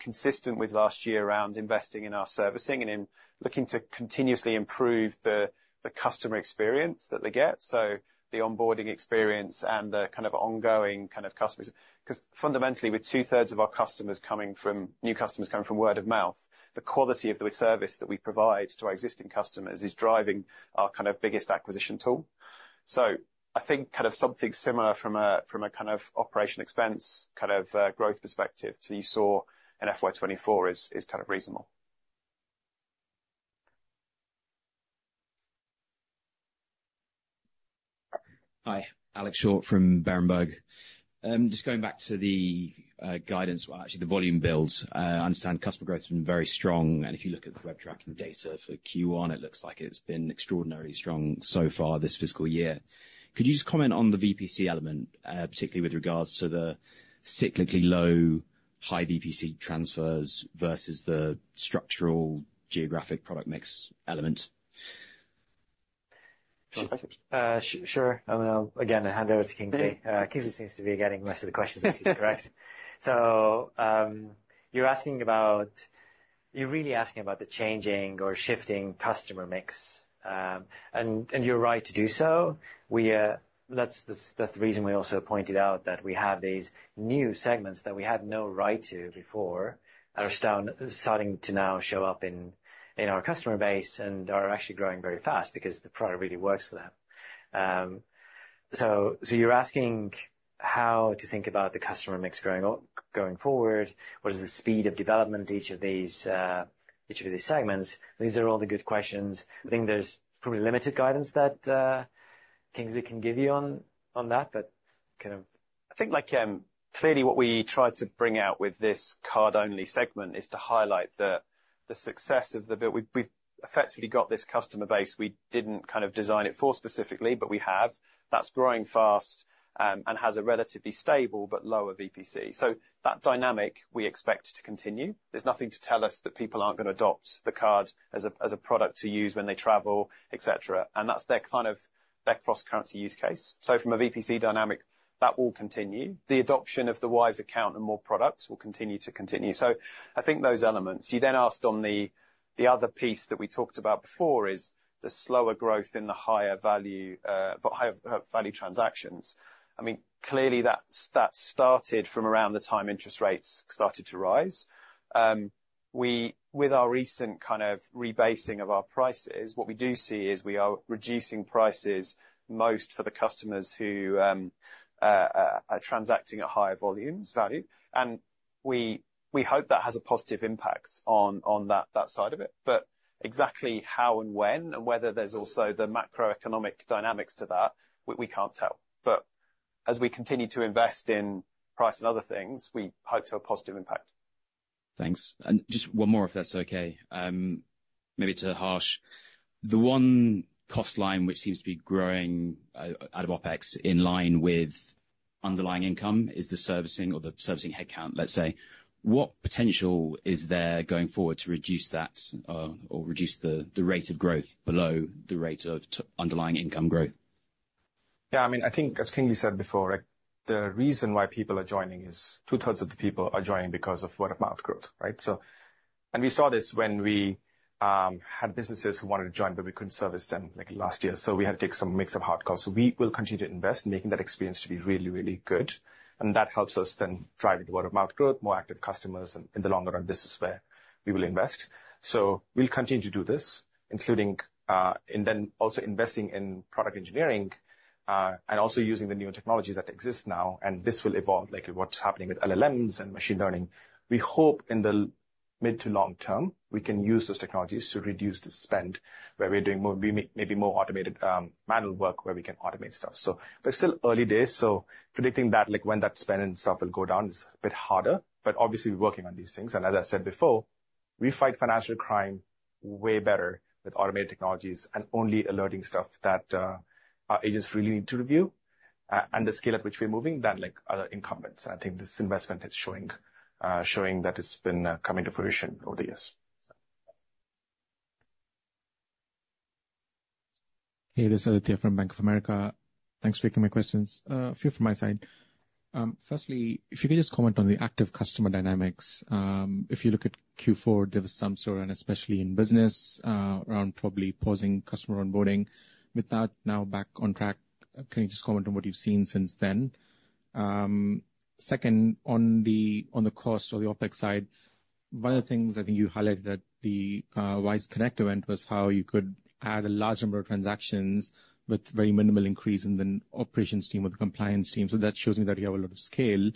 consistent with last year around investing in our servicing and in looking to continuously improve the customer experience that they get, so the onboarding experience and the kind of ongoing kind of customers. 'Cause fundamentally, with 2/3 of our customers coming from new customers coming from word of mouth, the quality of the service that we provide to our existing customers is driving our kind of biggest acquisition tool. So I think kind of something similar from a, from a kind of operational expense, kind of, growth perspective to you saw in FY 2024 is, is kind of reasonable. Hi, Alex Short from Berenberg. Just going back to the guidance, well, actually, the volume builds. I understand customer growth has been very strong, and if you look at the web tracking data for Q1, it looks like it's been extraordinarily strong so far this fiscal year. Could you just comment on the VPC element, particularly with regards to the cyclically low, high VPC transfers versus the structural geographic product mix element? Sure. Then, again, I'll hand over to Kingsley. Kingsley seems to be getting most of the questions, which is correct. So, you're asking about... You're really asking about the changing or shifting customer mix, and you're right to do so. We - that's the reason we also pointed out that we have these new segments that we had no right to before, are starting to now show up in our customer base and are actually growing very fast because the product really works for them. So, you're asking how to think about the customer mix going forward, what is the speed of development each of these segments? These are all the good questions. I think there's probably limited guidance that Kingsley can give you on that, but kind of. I think, like, clearly what we tried to bring out with this card-only segment is to highlight the success of the build. We've effectively got this customer base we didn't kind of design it for specifically, but we have. That's growing fast, and has a relatively stable but lower VPC. So that dynamic we expect to continue. There's nothing to tell us that people aren't going to adopt the card as a product to use when they travel, et cetera, and that's their kind of cross-currency use case. So from a VPC dynamic, that will continue. The adoption of the Wise Account and more products will continue to continue. So I think those elements. You then asked on the other piece that we talked about before, is the slower growth in the higher value transactions. I mean, clearly, that started from around the time interest rates started to rise. With our recent kind of rebasing of our prices, what we do see is we are reducing prices most for the customers who are transacting at higher volumes, value. And we hope that has a positive impact on that side of it. But exactly how and when, and whether there's also the macroeconomic dynamics to that, we can't tell. But as we continue to invest in price and other things, we hope to have a positive impact. Thanks. And just one more, if that's okay. Maybe to Harsh. The one cost line, which seems to be growing, out of OpEx, in line with underlying income, is the servicing or the servicing headcount, let's say. What potential is there going forward to reduce that, or reduce the, the rate of growth below the rate of underlying income growth? Yeah, I mean, I think as Kingsley said before, like, the reason why people are joining is 2/3 of the people are joining because of word-of-mouth growth, right? So, and we saw this when we had businesses who wanted to join, but we couldn't service them, like last year, so we had to take some mix of hard costs. So we will continue to invest in making that experience to be really, really good, and that helps us then drive the word-of-mouth growth, more active customers. And in the longer run, this is where we will invest. So we'll continue to do this, including, and then also investing in product engineering, and also using the newer technologies that exist now, and this will evolve, like what's happening with LLMs and machine learning. We hope in the mid to long term, we can use those technologies to reduce the spend, where we're doing more, maybe more automated, manual work, where we can automate stuff. So but still early days, so predicting that, like, when that spend and stuff will go down is a bit harder, but obviously, we're working on these things. And as I said before, we fight financial crime way better with automated technologies and only alerting stuff that, our agents really need to review, and the scale at which we're moving than, like, other incumbents. I think this investment is showing, showing that it's been, coming to fruition over the years. Hey, this is Aditya from Bank of America. Thanks for taking my questions. A few from my side. Firstly, if you could just comment on the active customer dynamics. If you look at Q4, there was some sort, and especially in business, around probably pausing customer onboarding. With that now back on track, can you just comment on what you've seen since then? Second, on the, on the cost or the OpEx side, one of the things I think you highlighted at the Wise Connect event was how you could add a large number of transactions with very minimal increase in the operations team or the compliance team. So that shows me that you have a lot of scale,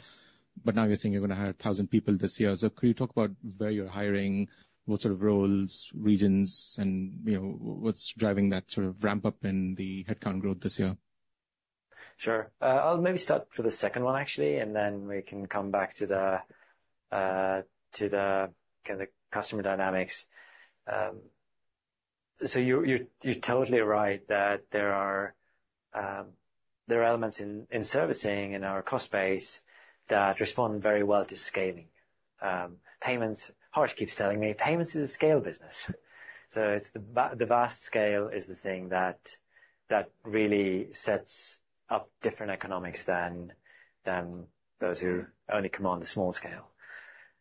but now you're saying you're going to hire 1,000 people this year. So could you talk about where you're hiring, what sort of roles, regions, and, you know, what's driving that sort of ramp-up in the headcount growth this year? Sure. I'll maybe start for the second one, actually, and then we can come back to the, to the, kind of, customer dynamics. So you're totally right that there are, there are elements in, in servicing in our cost base that respond very well to scaling. Payments... Harsh keeps telling me, "Payments is a scale business." So it's the vast scale is the thing that, that really sets up different economics than, than those who only command the small scale.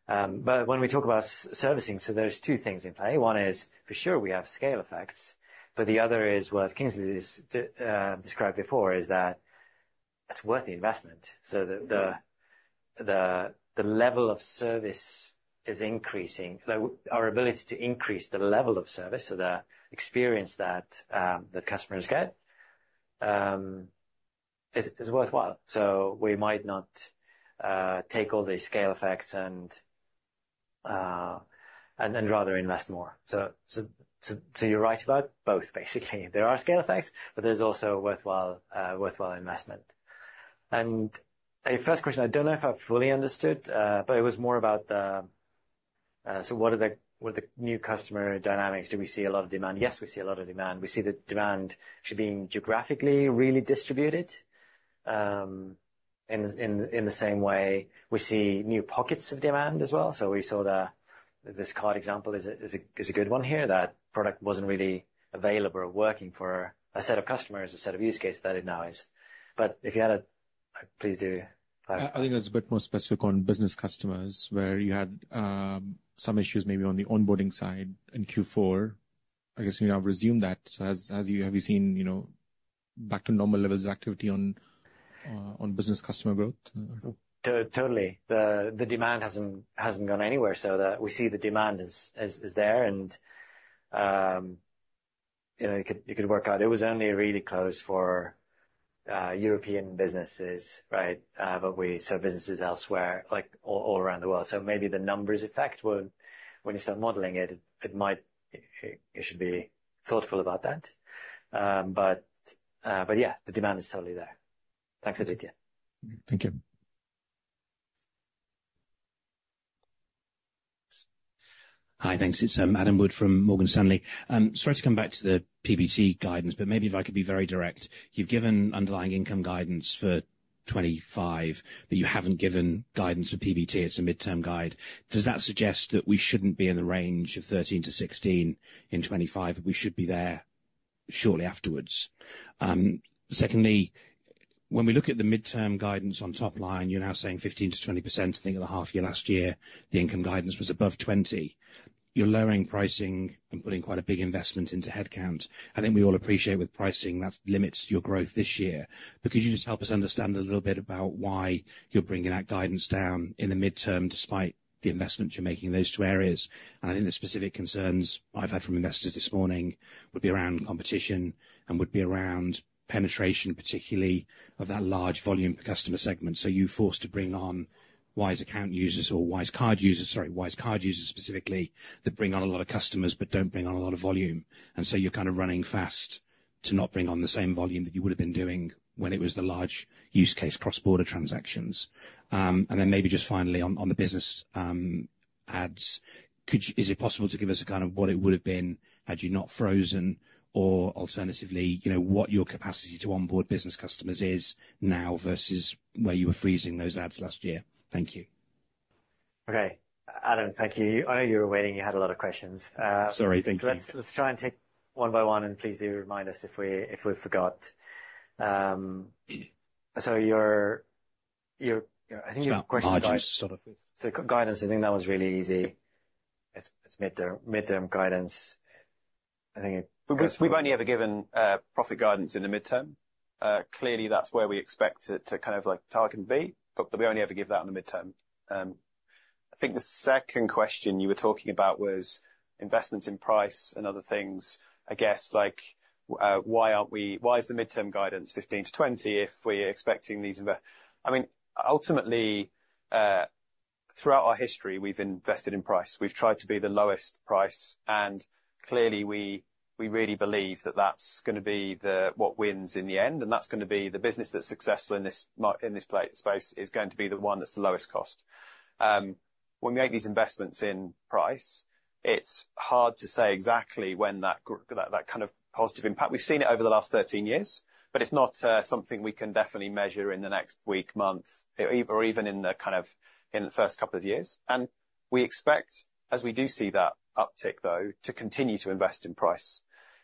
But when we talk about servicing, so there's two things in play. One is, for sure, we have scale effects, but the other is, what Kingsley has described before, is that it's worth the investment. So the level of service is increasing. Our ability to increase the level of service, so the experience that the customers get is worthwhile. So we might not take all the scale effects and rather invest more. So you're right about both, basically. There are scale effects, but there's also a worthwhile investment. And the first question, I don't know if I fully understood, but it was more about the, so what were the new customer dynamics? Do we see a lot of demand? Yes, we see a lot of demand. We see the demand actually being geographically really distributed in the same way we see new pockets of demand as well. So we saw this card example is a good one here. That product wasn't really available or working for a set of customers, a set of use cases that it now is. But if you had a - please do. I think it's a bit more specific on business customers, where you had some issues maybe on the onboarding side in Q4. I guess you now resume that. So have you seen, you know, back to normal levels of activity on business customer growth? Totally. The demand hasn't gone anywhere, so that we see the demand is there, and, you know, it could work out. It was only really close for European businesses, right? But we saw businesses elsewhere, like all around the world. So maybe the numbers effect when you start modeling it, it might - you should be thoughtful about that. But yeah, the demand is totally there. Thanks, Aditya. Thank you. Hi, thanks. It's Adam Wood from Morgan Stanley. Sorry to come back to the PBT guidance, but maybe if I could be very direct. You've given underlying income guidance for 25, but you haven't given guidance for PBT. It's a mid-term guide. Does that suggest that we shouldn't be in the range of 13-16 in 25, we should be there shortly afterwards? Secondly, when we look at the mid-term guidance on top line, you're now saying 15%-20%. I think in the half year last year, the income guidance was above 20%. You're lowering pricing and putting quite a big investment into headcount. I think we all appreciate with pricing, that limits your growth this year. But could you just help us understand a little bit about why you're bringing that guidance down in the mid-term, despite the investments you're making in those two areas? And I think the specific concerns I've had from investors this morning would be around competition and would be around penetration, particularly of that large volume customer segment. So you're forced to bring on Wise Account users or Wise Card users, sorry, Wise Card users specifically, that bring on a lot of customers, but don't bring on a lot of volume. And so you're kind of running fast to not bring on the same volume that you would have been doing when it was the large use case, cross-border transactions. And then maybe just finally, on the business, Adams, could you- Is it possible to give us a guide of what it would have been had you not frozen? Or alternatively, you know, what your capacity to onboard business customers is now versus where you were freezing those ads last year? Thank you. Okay. Adam, thank you. I know you were waiting. You had a lot of questions. Sorry. Thank you. Let's try and take one by one, and please do remind us if we forgot. So, your, I think your question about- Margins, sort of. Guidance, I think that one's really easy. It's mid-term guidance. I think- We've only ever given profit guidance in the mid-term. Clearly, that's where we expect it to kind of like target and be, but we only ever give that in the mid-term. I think the second question you were talking about was investments in price and other things. I guess, like, why aren't we - why is the mid-term guidance 15-20 if we're expecting these investments? I mean, ultimately, throughout our history, we've invested in price. We've tried to be the lowest price, and clearly, we really believe that that's gonna be the what wins in the end, and that's gonna be the business that's successful in this space, is going to be the one that's the lowest cost. When we make these investments in price, it's hard to say exactly when that kind of positive impact. We've seen it over the last 13 years, but it's not something we can definitely measure in the next week, month, or even in the first couple of years. And we expect, as we do see that uptick, though, to continue to invest in price.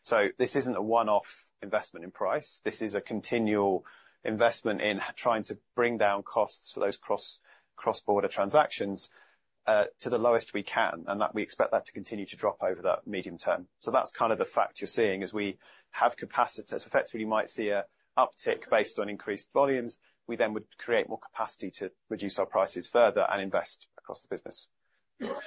So this isn't a one-off investment in price. This is a continual investment in trying to bring down costs for those cross-border transactions to the lowest we can, and that we expect that to continue to drop over that medium term. So that's kind of the fact you're seeing, is we have capacity. So effectively, you might see an uptick based on increased volumes. We then would create more capacity to reduce our prices further and invest across the business. Sorry, go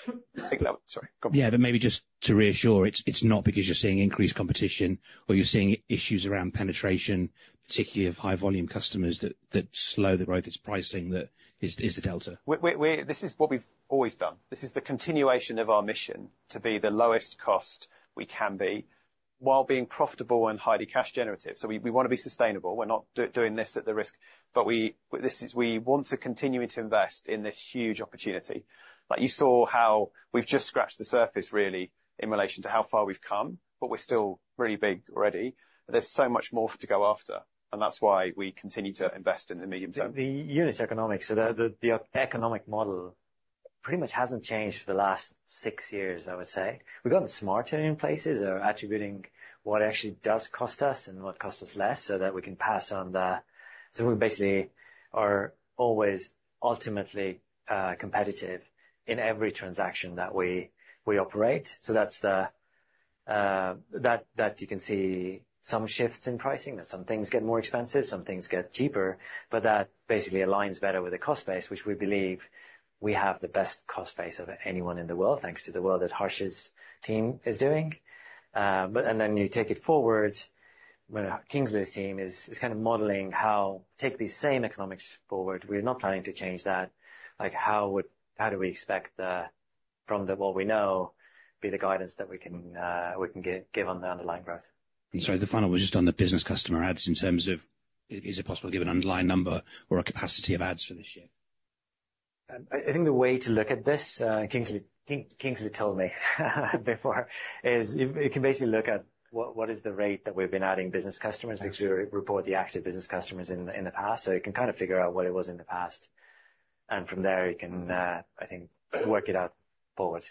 on. Yeah, but maybe just to reassure, it's not because you're seeing increased competition or you're seeing issues around penetration, particularly of high-volume customers, that slow the growth. It's pricing that is the delta. This is what we've always done. This is the continuation of our mission to be the lowest cost we can be, while being profitable and highly cash generative. So we wanna be sustainable. We're not doing this at the risk, but this is, we want to continuing to invest in this huge opportunity. Like, you saw how we've just scratched the surface really, in relation to how far we've come, but we're still really big already. There's so much more to go after, and that's why we continue to invest in the medium term. The unit economics, so the economic model pretty much hasn't changed for the last 6 years, I would say. We've gotten smarter in places about attributing what actually does cost us and what costs us less, so that we can pass on the - so we basically are always ultimately competitive in every transaction that we operate. So that's that you can see some shifts in pricing, that some things get more expensive, some things get cheaper, but that basically aligns better with the cost base, which we believe we have the best cost base of anyone in the world, thanks to the work that Harsh's team is doing. But and then you take it forward, when Kingsley's team is kind of modeling how take these same economics forward. We're not planning to change that. Like, how would- how do we expect the from what we know, be the guidance that we can give on the underlying growth. Sorry, the final was just on the business customer adds, in terms of, is it possible to give an underlying number or a capacity of adds for this year? I think the way to look at this, Kingsley, Kingsley told me before, is you can basically look at what is the rate that we've been adding business customers- Thanks. Because we report the active business customers in the past, so you can kind of figure out what it was in the past. And from there, you can, I think, work it out forward.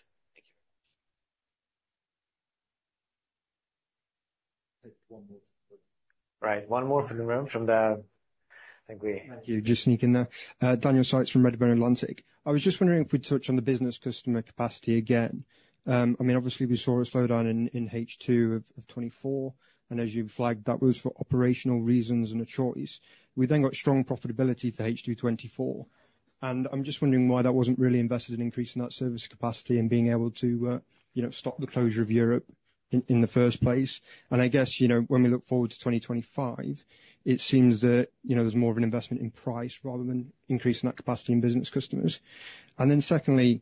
Thank you. Take one more. Right, one more from the room, from the -I think we- Thank you. Just sneaking in there. Daniel Seitz from Redburn Atlantic. I was just wondering if we'd touch on the business customer capacity again. I mean, obviously, we saw a slowdown in H2 of 2024, and as you flagged, that was for operational reasons and choices. We then got strong profitability for H2 2024, and I'm just wondering why that wasn't really invested in increasing that service capacity and being able to, you know, stop the closure of Europe in the first place. And I guess, you know, when we look forward to 2025, it seems that, you know, there's more of an investment in price rather than increasing that capacity in business customers. And then secondly,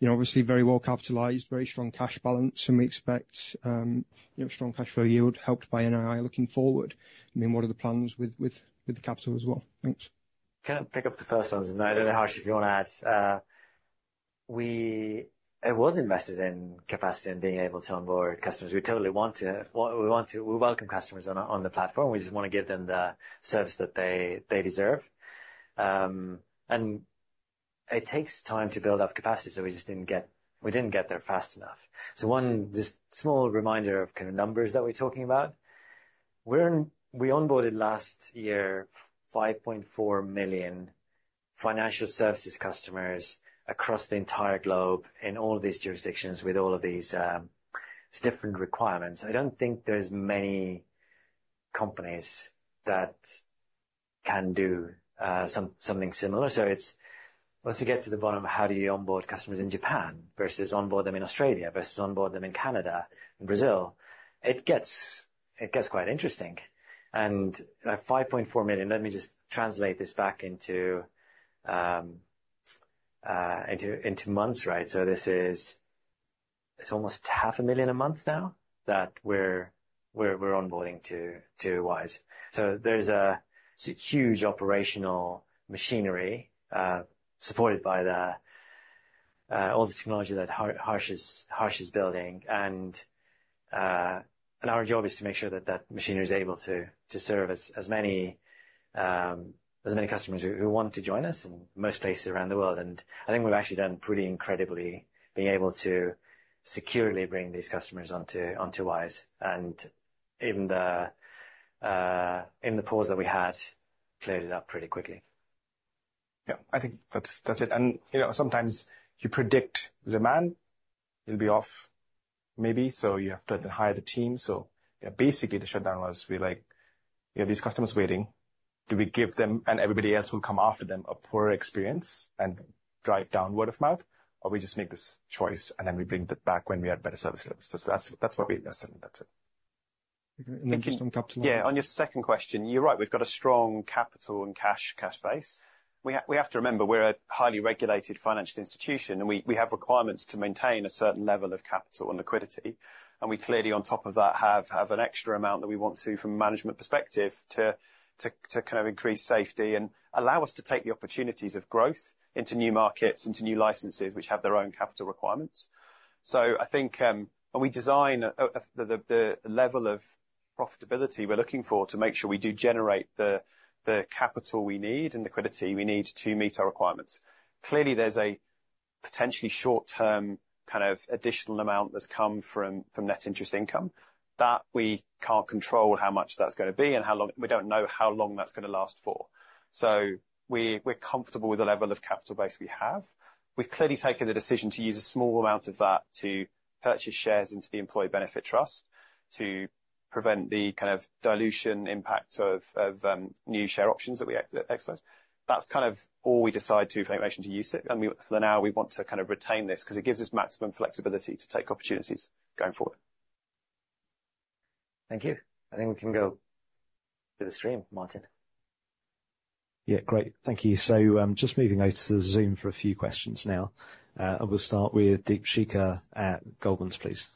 you know, obviously very well capitalized, very strong cash balance, and we expect, you know, strong cash flow yield helped by NII looking forward. I mean, what are the plans with the capital as well? Thanks. Can I pick up the first one? I don't know, Harsh, if you want to add. It was invested in capacity and being able to onboard customers. We totally want to. We want to. We welcome customers on the platform. We just want to give them the service that they deserve. It takes time to build up capacity, so we just didn't get there fast enough. One, just small reminder of the kind of numbers that we're talking about. We onboarded last year 5.4 million financial services customers across the entire globe in all these jurisdictions with all of these different requirements. I don't think there's many companies that can do something similar. So it's once you get to the bottom of how do you onboard customers in Japan versus onboard them in Australia, versus onboard them in Canada and Brazil. It gets quite interesting. And at 5.4 million, let me just translate this back into months, right? So this is. It's almost 500,000 a month now that we're onboarding to Wise. So there's a huge operational machinery supported by all the technology that Harsh is building. And our job is to make sure that that machinery is able to serve as many customers who want to join us in most places around the world. I think we've actually done pretty incredibly, being able to securely bring these customers onto Wise, and in the pause that we had, cleared it up pretty quickly. Yeah, I think that's it. And, you know, sometimes you predict demand, it'll be off, maybe, so you have to hire the team. So yeah, basically, the shutdown was, we're like, you have these customers waiting. Do we give them, and everybody else who come after them, a poor experience and drive down word of mouth? Or we just make this choice, and then we bring them back when we have better service levels. So that's, that's what we invested in. That's it. Thank you. On capital. Yeah, on your second question, you're right. We've got a strong capital and cash base. We have to remember, we're a highly regulated financial institution, and we have requirements to maintain a certain level of capital and liquidity. And we clearly, on top of that, have an extra amount that we want to, from a management perspective, to kind of increase safety and allow us to take the opportunities of growth into new markets, into new licenses, which have their own capital requirements. So I think. And we design the level of profitability we're looking for to make sure we do generate the capital we need and liquidity we need to meet our requirements. Clearly, there's a potentially short-term, kind of, additional amount that's come from net interest income, that we can't control how much that's going to be and how long. We don't know how long that's going to last for. So we're comfortable with the level of capital base we have. We've clearly taken the decision to use a small amount of that to purchase shares into the employee benefit trust, to prevent the kind of dilution impact of new share options that we exercise. That's kind of all we decide to, in relation to use it. And for now, we want to kind of retain this, because it gives us maximum flexibility to take opportunities going forward. Thank you. I think we can go to the stream, Martin. Yeah, great. Thank you. So, just moving over to the Zoom for a few questions now. I will start with Deepshikha at Goldman, please.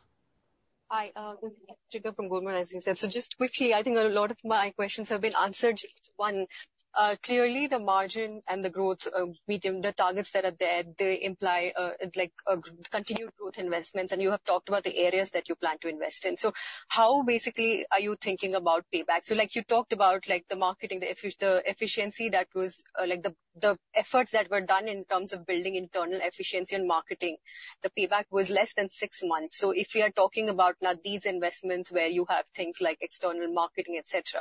Hi, Deepshikha from Goldman, as you said. So just quickly, I think a lot of my questions have been answered. Just one, clearly, the margin and the growth, meeting the targets that are there, they imply, like, a continued growth investments, and you have talked about the areas that you plan to invest in. So how, basically, are you thinking about payback? So like, you talked about, like, the marketing, the efficiency that was, like, the efforts that were done in terms of building internal efficiency and marketing, the payback was less than six months. So if you are talking about now these investments, where you have things like external marketing, et cetera,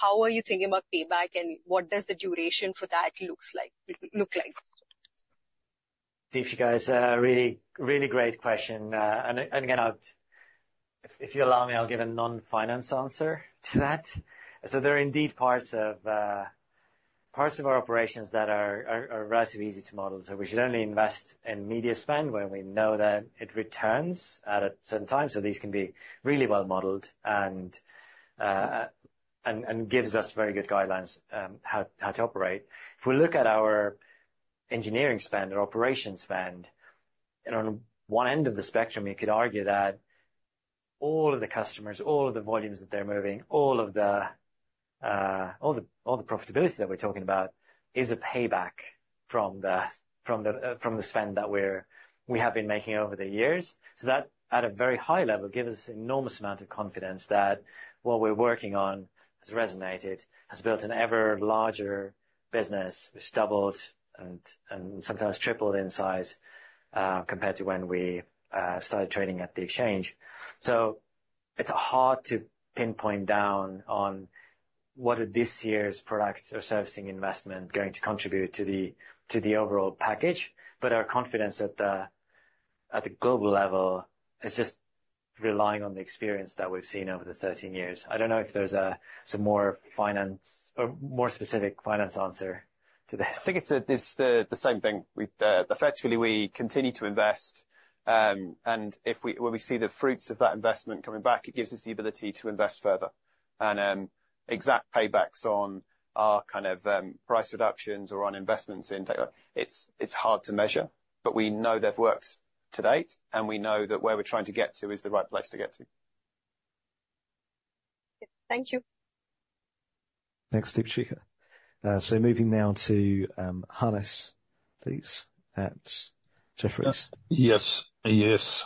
how are you thinking about payback, and what does the duration for that looks like? Deepshikha, it's a really, really great question. And again, if you allow me, I'll give a non-finance answer to that. So there are indeed parts of our operations that are relatively easy to model. So we should only invest in media spend when we know that it returns at a certain time, so these can be really well-modeled. And gives us very good guidelines how to operate. If we look at our engineering spend, our operations spend, and on one end of the spectrum, you could argue that all of the customers, all of the volumes that they're moving, all of the profitability that we're talking about is a payback from the spend that we have been making over the years. So that, at a very high level, gives us enormous amount of confidence that what we're working on has resonated, has built an ever larger business, which doubled and, and sometimes tripled in size, compared to when we started trading at the exchange. So it's hard to pinpoint down on what are this year's products or servicing investment going to contribute to the, to the overall package, but our confidence at the, at the global level is just relying on the experience that we've seen over the 13 years. I don't know if there's a, some more finance or more specific finance answer to this. I think it's the same thing. We effectively continue to invest, and when we see the fruits of that investment coming back, it gives us the ability to invest further. Exact paybacks on our kind of price reductions or on investments in data, it's hard to measure, but we know they've worked to date, and we know that where we're trying to get to is the right place to get to. Thank you. Thanks, Deepshika. Moving now to Hannes, please, at Jefferies. Yes. Yes,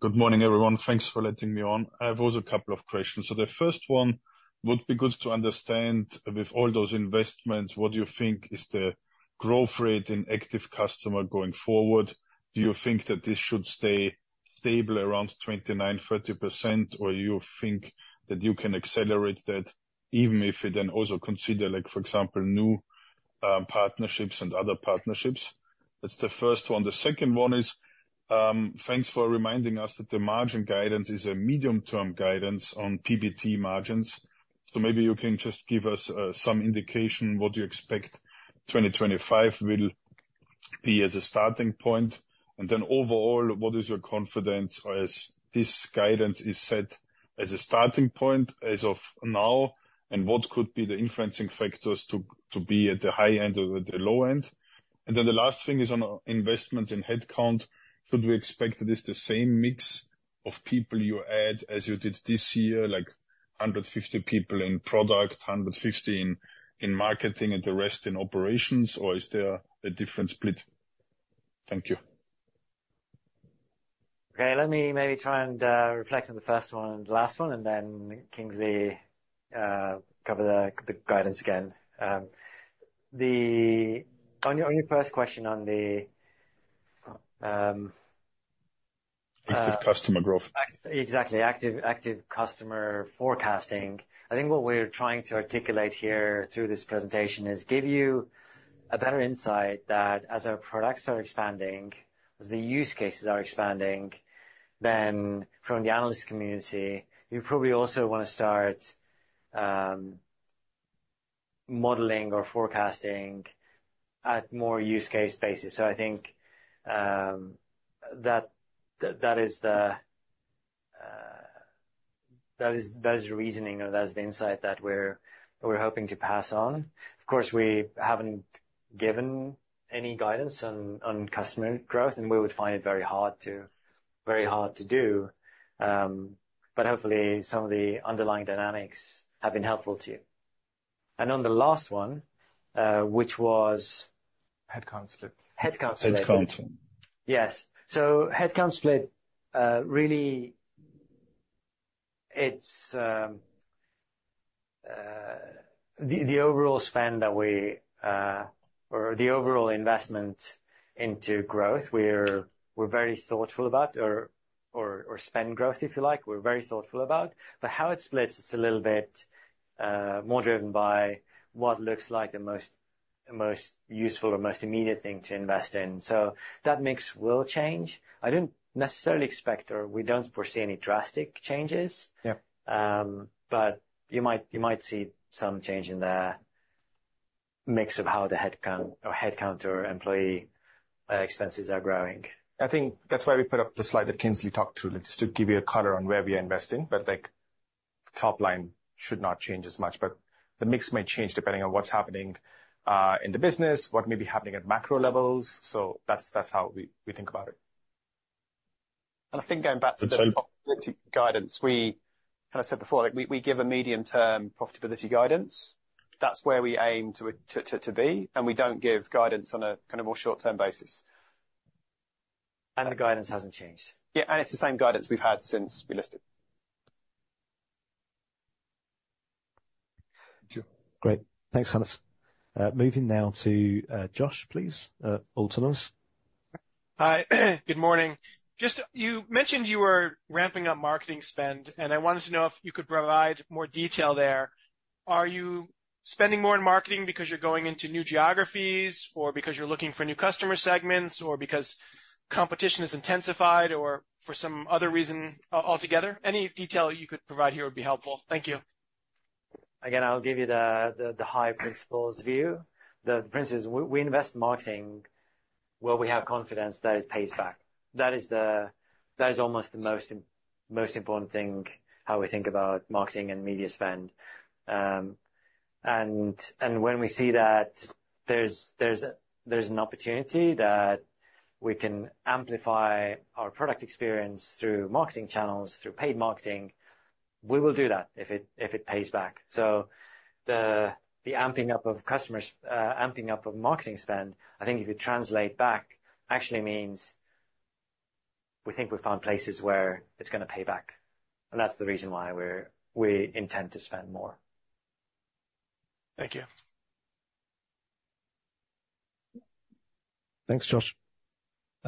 good morning, everyone. Thanks for letting me on. I have also a couple of questions. So the first one would be good to understand, with all those investments, what do you think is the growth rate in active customer going forward? Do you think that this should stay stable around 29%-30%, or you think that you can accelerate that, even if you then also consider, like, for example, new partnerships and other partnerships? That's the first one. The second one is, thanks for reminding us that the margin guidance is a medium-term guidance on PBT margins. So maybe you can just give us some indication what you expect 2025 will be as a starting point. Overall, what is your confidence as this guidance is set as a starting point, as of now, and what could be the influencing factors to, to be at the high end or at the low end? The last thing is on investment in headcount. Should we expect this the same mix of people you add as you did this year, like 150 people in product, 150 in marketing and the rest in operations, or is there a different split? Thank you. Okay, let me maybe try and reflect on the first one and the last one, and then Kingsley cover the guidance again. On your first question, on the Active customer growth. Exactly. Active customer forecasting. I think what we're trying to articulate here through this presentation is give you a better insight that as our products are expanding, as the use cases are expanding, then from the analyst community, you probably also want to start, modeling or forecasting at more use case basis. So I think, that is the reasoning, and that is the insight that we're hoping to pass on. Of course, we haven't given any guidance on customer growth, and we would find it very hard to do. But hopefully, some of the underlying dynamics have been helpful to you. And on the last one, which was? Headcount split. Headcount split. Headcount. Yes. So headcount split, really, it's the overall spend that we or the overall investment into growth, we're very thoughtful about or spend growth, if you like, we're very thoughtful about. But how it splits, it's a little bit more driven by what looks like the most useful or most immediate thing to invest in. So that mix will change. I don't necessarily expect or we don't foresee any drastic changes. Yeah. But you might see some change in the mix of how the headcount or employee expenses are growing. I think that's why we put up the slide that Kingsley talked through, just to give you a color on where we are investing. But, like, top line should not change as much, but the mix may change depending on what's happening in the business, what may be happening at macro levels. So that's how we think about it. I think going back to the guidance, as I said before, like, we give a medium-term profitability guidance. That's where we aim to be, and we don't give guidance on a kind of more short-term basis. The guidance hasn't changed. Yeah, and it's the same guidance we've had since we listed. Thank you. Great. Thanks, Hannes. Moving now to Josh, please, Autonomous. Hi. Good morning. Just, you mentioned you were ramping up marketing spend, and I wanted to know if you could provide more detail there. Are you spending more in marketing because you're going into new geographies, or because you're looking for new customer segments, or because competition has intensified, or for some other reason altogether? Any detail you could provide here would be helpful. Thank you. Again, I'll give you the high principles view. The principle is we invest in marketing. Well, we have confidence that it pays back. That is almost the most important thing, how we think about marketing and media spend. And when we see that there's an opportunity that we can amplify our product experience through marketing channels, through paid marketing, we will do that if it pays back. So the amping up of customers, amping up of marketing spend, I think if you translate back, actually means we think we've found places where it's gonna pay back, and that's the reason why we intend to spend more. Thank you. Thanks, Josh.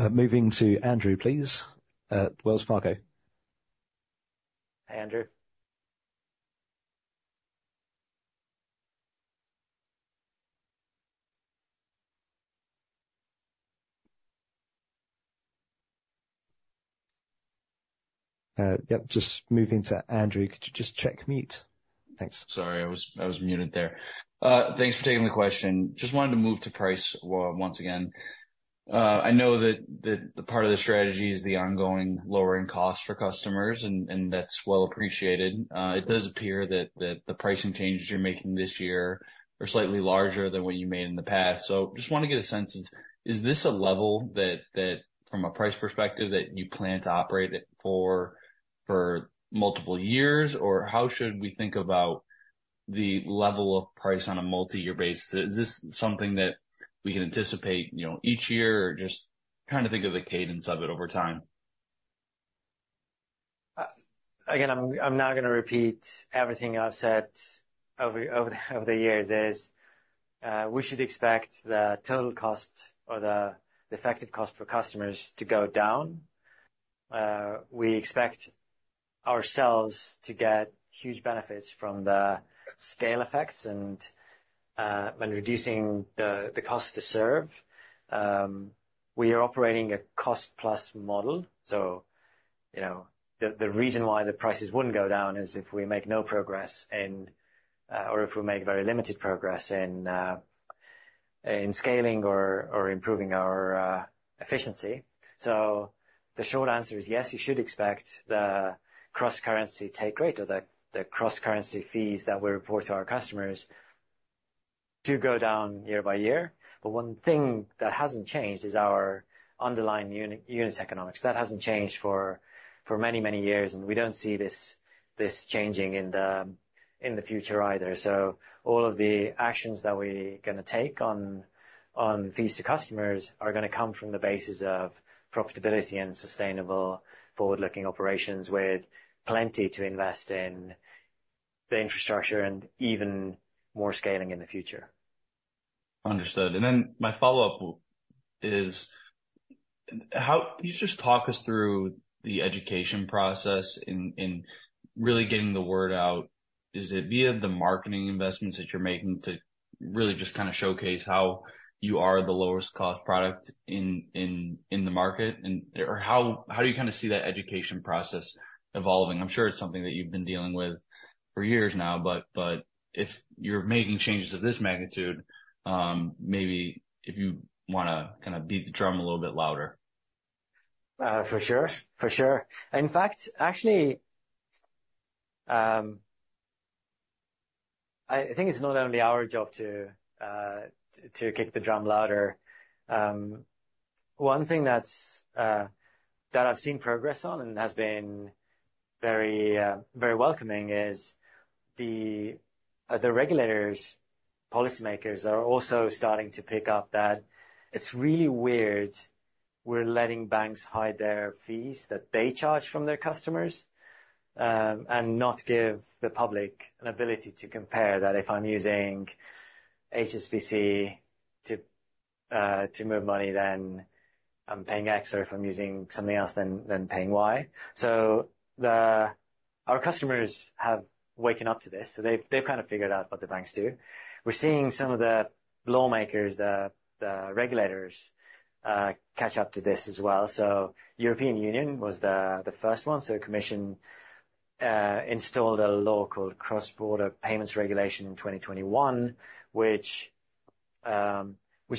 Moving to Andrew, please, at Wells Fargo. Hi, Andrew. Yep, just moving to Andrew. Could you just check mute? Thanks. Sorry, I was, I was muted there. Thanks for taking the question. Just wanted to move to pricing once again. I know that the part of the strategy is the ongoing lowering cost for customers, and that's well appreciated. It does appear that the pricing changes you're making this year are slightly larger than what you made in the past. So just want to get a sense, is this a level that from a price perspective, that you plan to operate it for multiple years? Or how should we think about the level of price on a multi-year basis? Is this something that we can anticipate, you know, each year, or just trying to think of the cadence of it over time? Again, I'm not gonna repeat everything I've said over the years. We should expect the total cost or the effective cost for customers to go down. We expect ourselves to get huge benefits from the scale effects and when reducing the cost to serve. We are operating a cost-plus model, so you know, the reason why the prices wouldn't go down is if we make no progress in scaling or improving our efficiency or if we make very limited progress in scaling or improving our efficiency. So the short answer is yes, you should expect the cross-currency take rate or the cross-currency fees that we report to our customers to go down year-by-year. But one thing that hasn't changed is our underlying unit economics. That hasn't changed for many years, and we don't see this changing in the future either. So all of the actions that we're gonna take on fees to customers are gonna come from the basis of profitability and sustainable forward-looking operations, with plenty to invest in the infrastructure and even more scaling in the future. Understood. Then my follow-up is, how - can you just talk us through the education process inreally getting the word out? Is it via the marketing investments that you're making to really just kind of showcase how you are the lowest cost product in, in, in the market? Or how, how do you kind of see that education process evolving? I'm sure it's something that you've been dealing with for years now, but, but if you're making changes of this magnitude, maybe if you wanna kind of beat the drum a little bit louder. For sure. For sure. In fact, actually, I think it's not only our job to kick the drum louder. One thing that's that I've seen progress on and has been very welcoming is the regulators, policymakers, are also starting to pick up that it's really weird we're letting banks hide their fees that they charge from their customers and not give the public an ability to compare that if I'm using HSBC to move money, then I'm paying X, or if I'm using something else, then paying Y. So the... Our customers have woken up to this, so they've kind of figured out what the banks do. We're seeing some of the lawmakers, the regulators catch up to this as well. So European Union was the first one, so commission installed a law called Cross-Border Payments Regulation in 2021, which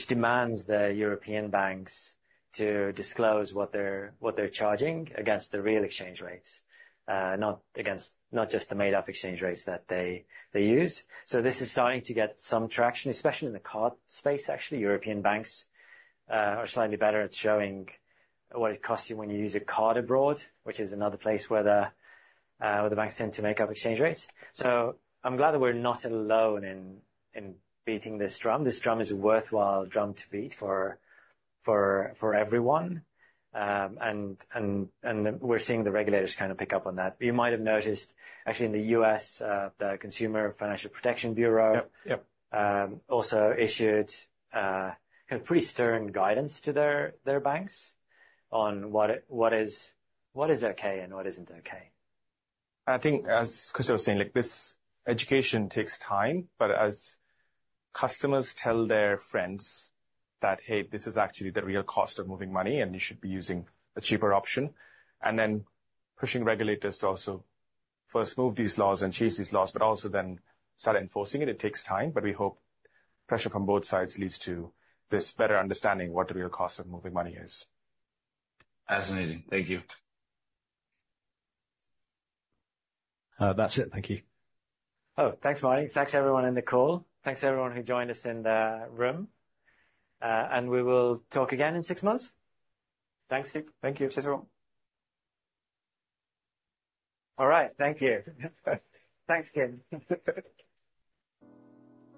demands the European banks to disclose what they're charging against the real exchange rates, not against, not just the made-up exchange rates that they use. So this is starting to get some traction, especially in the card space, actually. European banks are slightly better at showing what it costs you when you use a card abroad, which is another place where the banks tend to make up exchange rates. So I'm glad that we're not alone in beating this drum. This drum is a worthwhile drum to beat for everyone. We're seeing the regulators kind of pick up on that. You might have noticed, actually, in the U.S., the Consumer Financial Protection Bureau- Yep, yep... also issued kind of pretty stern guidance to their banks on what is okay and what isn't okay. I think, as Kristo was saying, like, this education takes time, but as customers tell their friends that, "Hey, this is actually the real cost of moving money, and you should be using a cheaper option," and then pushing regulators to also first move these laws and chase these laws, but also then start enforcing it, it takes time, but we hope pressure from both sides leads to this better understanding what the real cost of moving money is. Fascinating. Thank you. That's it. Thank you. Oh, thanks, Marty. Thanks, everyone in the call. Thanks, everyone who joined us in the room. We will talk again in six months. Thanks. Thank you. Cheers, everyone. All right. Thank you. Thanks, Kim.